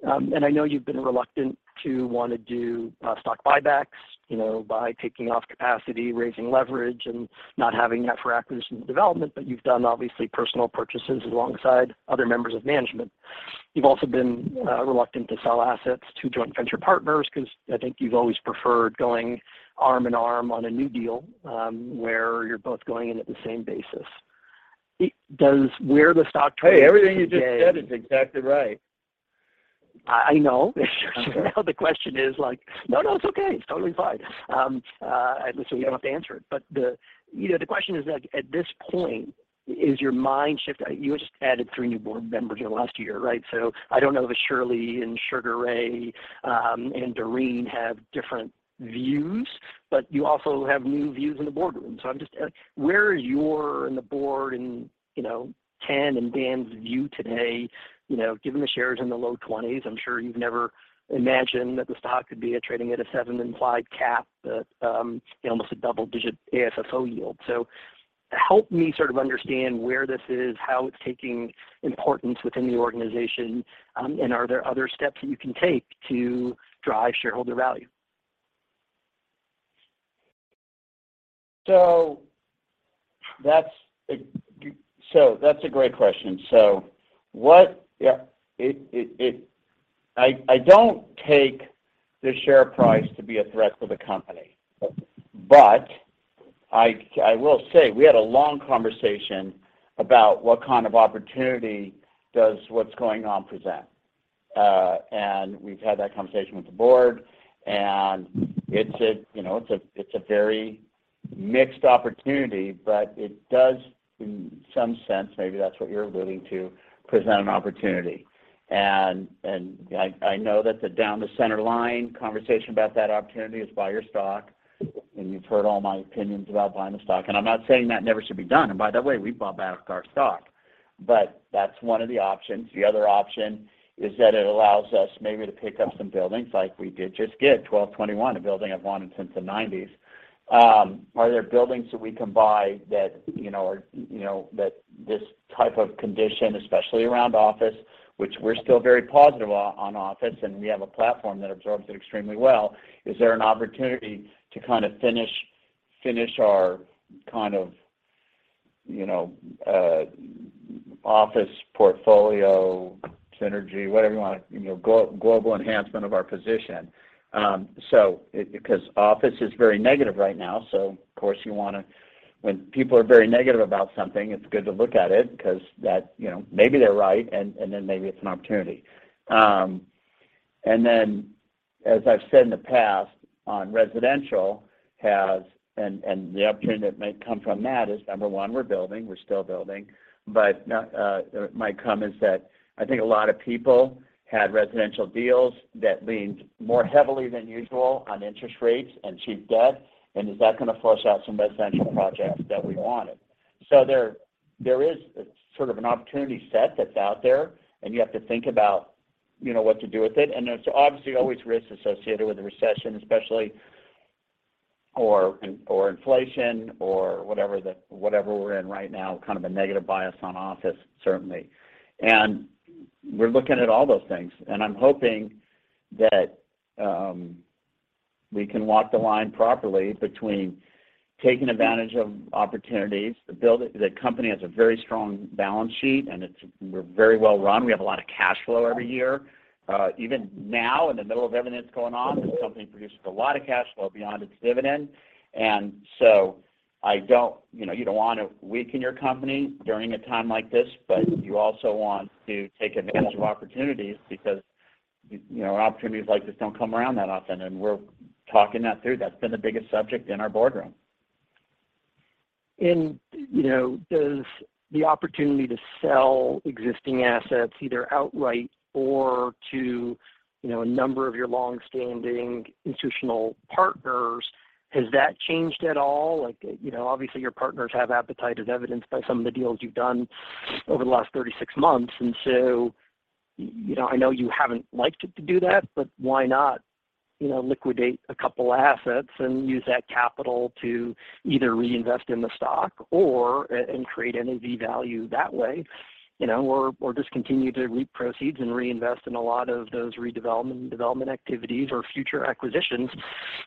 Speaker 7: I know you've been reluctant to wanna do stock buybacks, you know, by taking off capacity, raising leverage, and not having that for acquisition and development. You've done, obviously, personal purchases alongside other members of management. You've also been reluctant to sell assets to joint venture partners 'cause I think you've always preferred going arm in arm on a new deal, where you're both going in at the same basis. Does where the stock trades today
Speaker 3: Hey, everything you just said is exactly right.
Speaker 7: I know.
Speaker 3: Okay.
Speaker 7: No, no, it's okay. It's totally fine. You don't have to answer it. You know, the question is like, at this point, is your mind shift? You just added 3 new board members in the last year, right? I don't know if Shirley and Sugar Ray and Doreen have different views, but you also have new views in the boardroom. I'm just, where is your and the board and, you know, Ken and Dan's view today? You know, given the shares in the low 20s, I'm sure you've never imagined that the stock could be trading at a seven implied cap, you know, almost a double-digit AFFO yield. Help me sort of understand where this is, how it's taking importance within the organization, and are there other steps that you can take to drive shareholder value?
Speaker 3: That's a great question. I don't take the share price to be a threat to the company. I will say, we had a long conversation about what kind of opportunity does what's going on present. We've had that conversation with the board, and it's a, you know, very mixed opportunity, but it does, in some sense, maybe that's what you're alluding to, present an opportunity. I know that the down the center line conversation about that opportunity is buy your stock, and you've heard all my opinions about buying the stock. I'm not saying that never should be done. By the way, we've bought back our stock. That's one of the options. The other option is that it allows us maybe to pick up some buildings like we did just get, 1221, a building I've wanted since the 1990s. Are there buildings that we can buy that, you know, are, you know, that this type of condition, especially around office, which we're still very positive on office, and we have a platform that absorbs it extremely well. Is there an opportunity to kind of finish our kind of, you know, office portfolio synergy, whatever you wanna, you know, global enhancement of our position? So it 'cause office is very negative right now, so of course, you wanna. When people are very negative about something, it's good to look at it 'cause that, you know, maybe they're right and then maybe it's an opportunity. As I've said in the past on residential, has. The opportunity that may come from that is, number one, we're still building. It might come as that I think a lot of people had residential deals that leaned more heavily than usual on interest rates and cheap debt, and is that gonna flush out some residential projects that we wanted? There is sort of an opportunity set that's out there, and you have to think about, you know, what to do with it. There's obviously always risks associated with a recession, especially, or inflation or whatever we're in right now, kind of a negative bias on office certainly. We're looking at all those things. I'm hoping that we can walk the line properly between taking advantage of opportunities to build. The company has a very strong balance sheet, and we're very well run. We have a lot of cash flow every year. Even now in the middle of everything that's going on, this company produces a lot of cash flow beyond its dividend. You know, you don't want to weaken your company during a time like this, but you also want to take advantage of opportunities because you know, opportunities like this don't come around that often, and we're talking that through. That's been the biggest subject in our boardroom.
Speaker 7: You know, does the opportunity to sell existing assets either outright or to, you know, a number of your long-standing institutional partners, has that changed at all? Like, you know, obviously, your partners have appetite, as evidenced by some of the deals you've done over the last 36 months. You know, I know you haven't liked to do that, but why not, you know, liquidate a couple assets and use that capital to either reinvest in the stock or and create NAV value that way, you know? Or just continue to reap proceeds and reinvest in a lot of those redevelopment and development activities or future acquisitions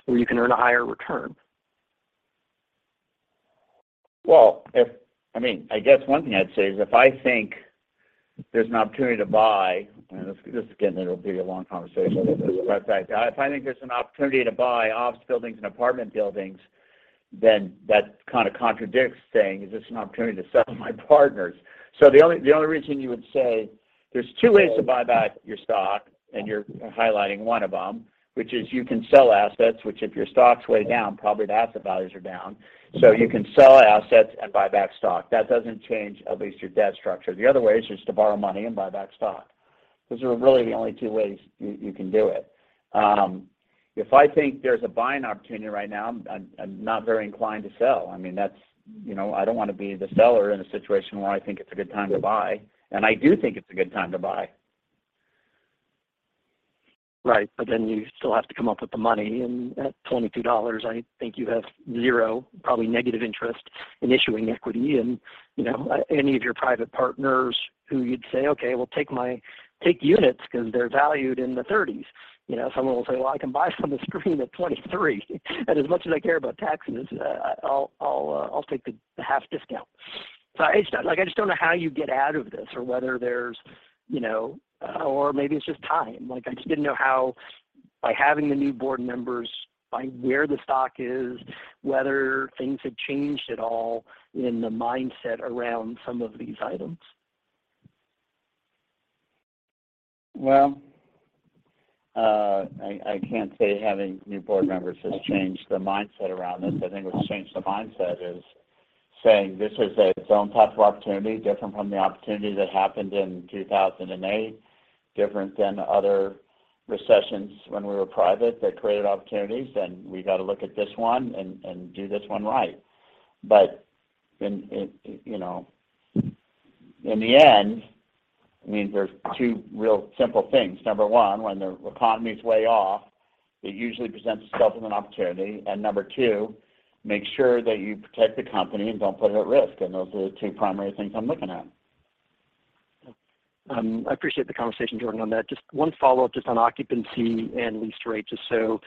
Speaker 7: where you can earn a higher return.
Speaker 3: Well, I mean, I guess one thing I'd say is if I think there's an opportunity to buy, and this again, it'll be a long conversation. If I think there's an opportunity to buy office buildings and apartment buildings, then that kind of contradicts saying, is this an opportunity to sell my partners? The only reason you would say there's two ways to buy back your stock, and you're highlighting one of them, which is you can sell assets, which if your stock's way down, probably the asset values are down. You can sell assets and buy back stock. That doesn't change at least your debt structure. The other way is just to borrow money and buy back stock. Those are really the only two ways you can do it. If I think there's a buying opportunity right now, I'm not very inclined to sell. I mean, you know, I don't wanna be the seller in a situation where I think it's a good time to buy, and I do think it's a good time to buy.
Speaker 7: Right. You still have to come up with the money. At $22, I think you have zero, probably negative interest in issuing equity. You know, any of your private partners who you'd say, "Okay, well, take units 'cause they're valued in the 30s." You know, someone will say, "Well, I can buy from the screen at $23. And as much as I care about taxes, I'll take the half discount." I just don't know how you get out of this or whether there's, you know. Maybe it's just time. Like, I just didn't know how by having the new board members, by where the stock is, whether things have changed at all in the mindset around some of these items.
Speaker 3: Well, I can't say having new board members has changed the mindset around this. I think what's changed the mindset is saying this is its own type of opportunity, different from the opportunity that happened in 2008, different than other recessions when we were private that created opportunities, and we gotta look at this one and do this one right. In you know, in the end, I mean, there's two real simple things. Number one, when the economy's way off, it usually presents itself as an opportunity. Number two, make sure that you protect the company and don't put it at risk. Those are the two primary things I'm looking at.
Speaker 7: Yeah. I appreciate the conversation, Jordan, on that. Just one follow-up just on occupancy and lease rates just so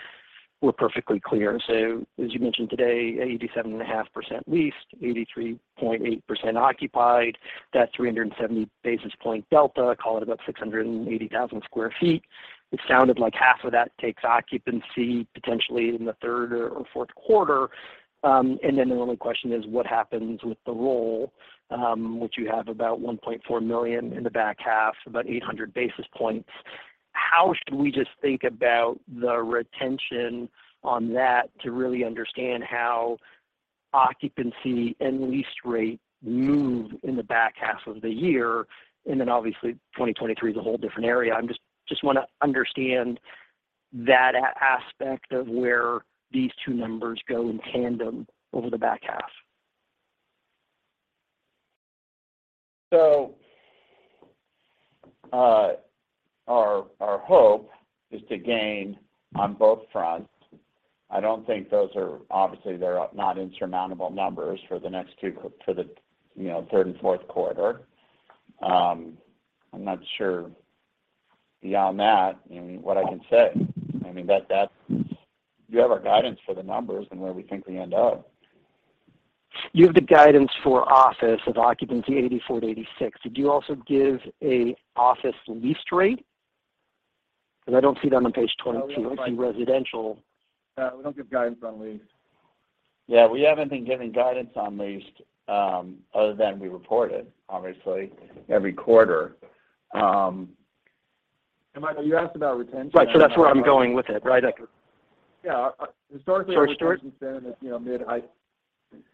Speaker 7: we're perfectly clear. As you mentioned today, 87.5% leased, 83.8% occupied. That 370 basis point delta, call it about 680,000 sq ft. It sounded like half of that takes occupancy potentially in the third or fourth quarter. And then the only question is what happens with the roll, which you have about 1.4 million in the back half, about 800 basis points. How should we just think about the retention on that to really understand how occupancy and lease rate move in the back half of the year? Then obviously, 2023 is a whole different area. I'm just wanna understand that aspect of where these two numbers go in tandem over the back half.
Speaker 3: Our hope is to gain on both fronts. I don't think those are. Obviously, they're not insurmountable numbers for the next two—for the, you know, third and fourth quarter. I'm not sure beyond that, I mean, what I can say. I mean, that's. You have our guidance for the numbers and where we think we end up.
Speaker 7: You have the guidance for office occupancy 84%-86%. Did you also give an office lease rate? Because I don't see that on page 22. I see residential.
Speaker 2: Yeah, we don't give guidance on lease.
Speaker 3: Yeah, we haven't been giving guidance on leased, other than we report it, obviously, every quarter.
Speaker 2: Michael, you asked about retention.
Speaker 7: Right. That's where I'm going with it, right? Like.
Speaker 2: Yeah. Historically, our retention.
Speaker 7: Sorry, Stuart.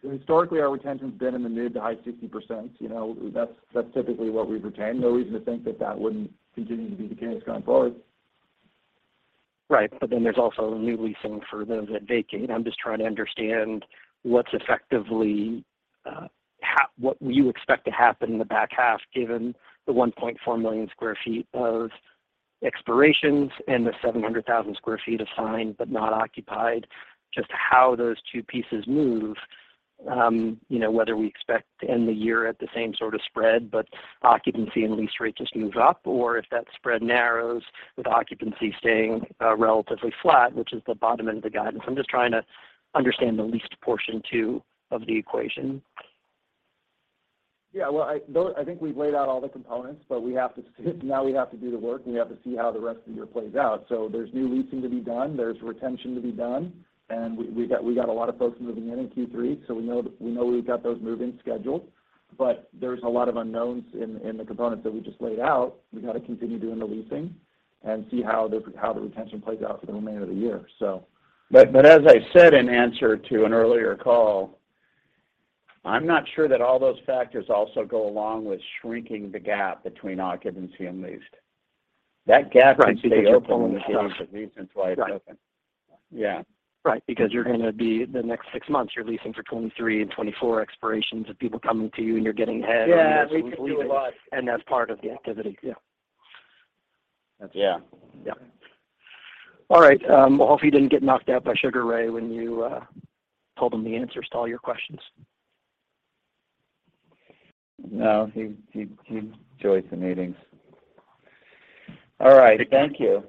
Speaker 2: Historically, our retention's been in the mid-to-high 60%. You know, that's typically what we've retained. No reason to think that that wouldn't continue to be the case going forward.
Speaker 7: Right. There's also new leasing for those that vacate. I'm just trying to understand what's effectively what you expect to happen in the back half, given the 1.4 million sq ft of expirations and the 700,000 sq ft of signed but not occupied, just how those two pieces move. You know, whether we expect to end the year at the same sort of spread, but occupancy and lease rates just move up, or if that spread narrows with occupancy staying relatively flat, which is the bottom end of the guidance. I'm just trying to understand the leased portion too of the equation.
Speaker 2: Yeah. Well, I think we've laid out all the components, but now we have to do the work, and we have to see how the rest of the year plays out. There's new leasing to be done, there's retention to be done, and we got a lot of folks moving in in Q3, so we know we've got those move-ins scheduled. There's a lot of unknowns in the components that we just laid out. We gotta continue doing the leasing and see how the retention plays out for the remainder of the year, so.
Speaker 3: As I said in answer to an earlier call, I'm not sure that all those factors also go along with shrinking the gap between occupancy and leased. That gap should stay open.
Speaker 7: Right. Because you're pulling stuff.
Speaker 3: The reason it's leased is why it's open.
Speaker 7: Right.
Speaker 3: Yeah.
Speaker 7: Right. Because you're gonna be the next six months, you're leasing for 2023 and 2024 expirations of people coming to you, and you're getting ahead.
Speaker 3: Yeah. We can do a lot.
Speaker 7: That's part of the activity. Yeah.
Speaker 3: Yeah.
Speaker 7: Yeah. All right. Well, hope you didn't get knocked out by Ray Leonard when you told him the answers to all your questions.
Speaker 3: No, he enjoys the meetings. All right. Thank you.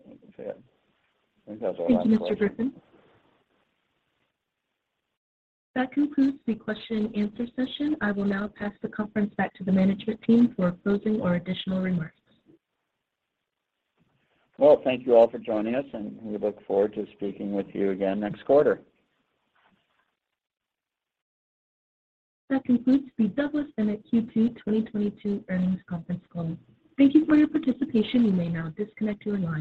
Speaker 3: I think that's it. I think that was our last question.
Speaker 1: Thank you, Mr. Griffin. That concludes the question and answer session. I will now pass the conference back to the management team for closing or additional remarks.
Speaker 3: Well, thank you all for joining us, and we look forward to speaking with you again next quarter.
Speaker 1: That concludes the Douglas Emmett Q2 2022 Earnings Conference Call. Thank you for your participation. You may now disconnect your line.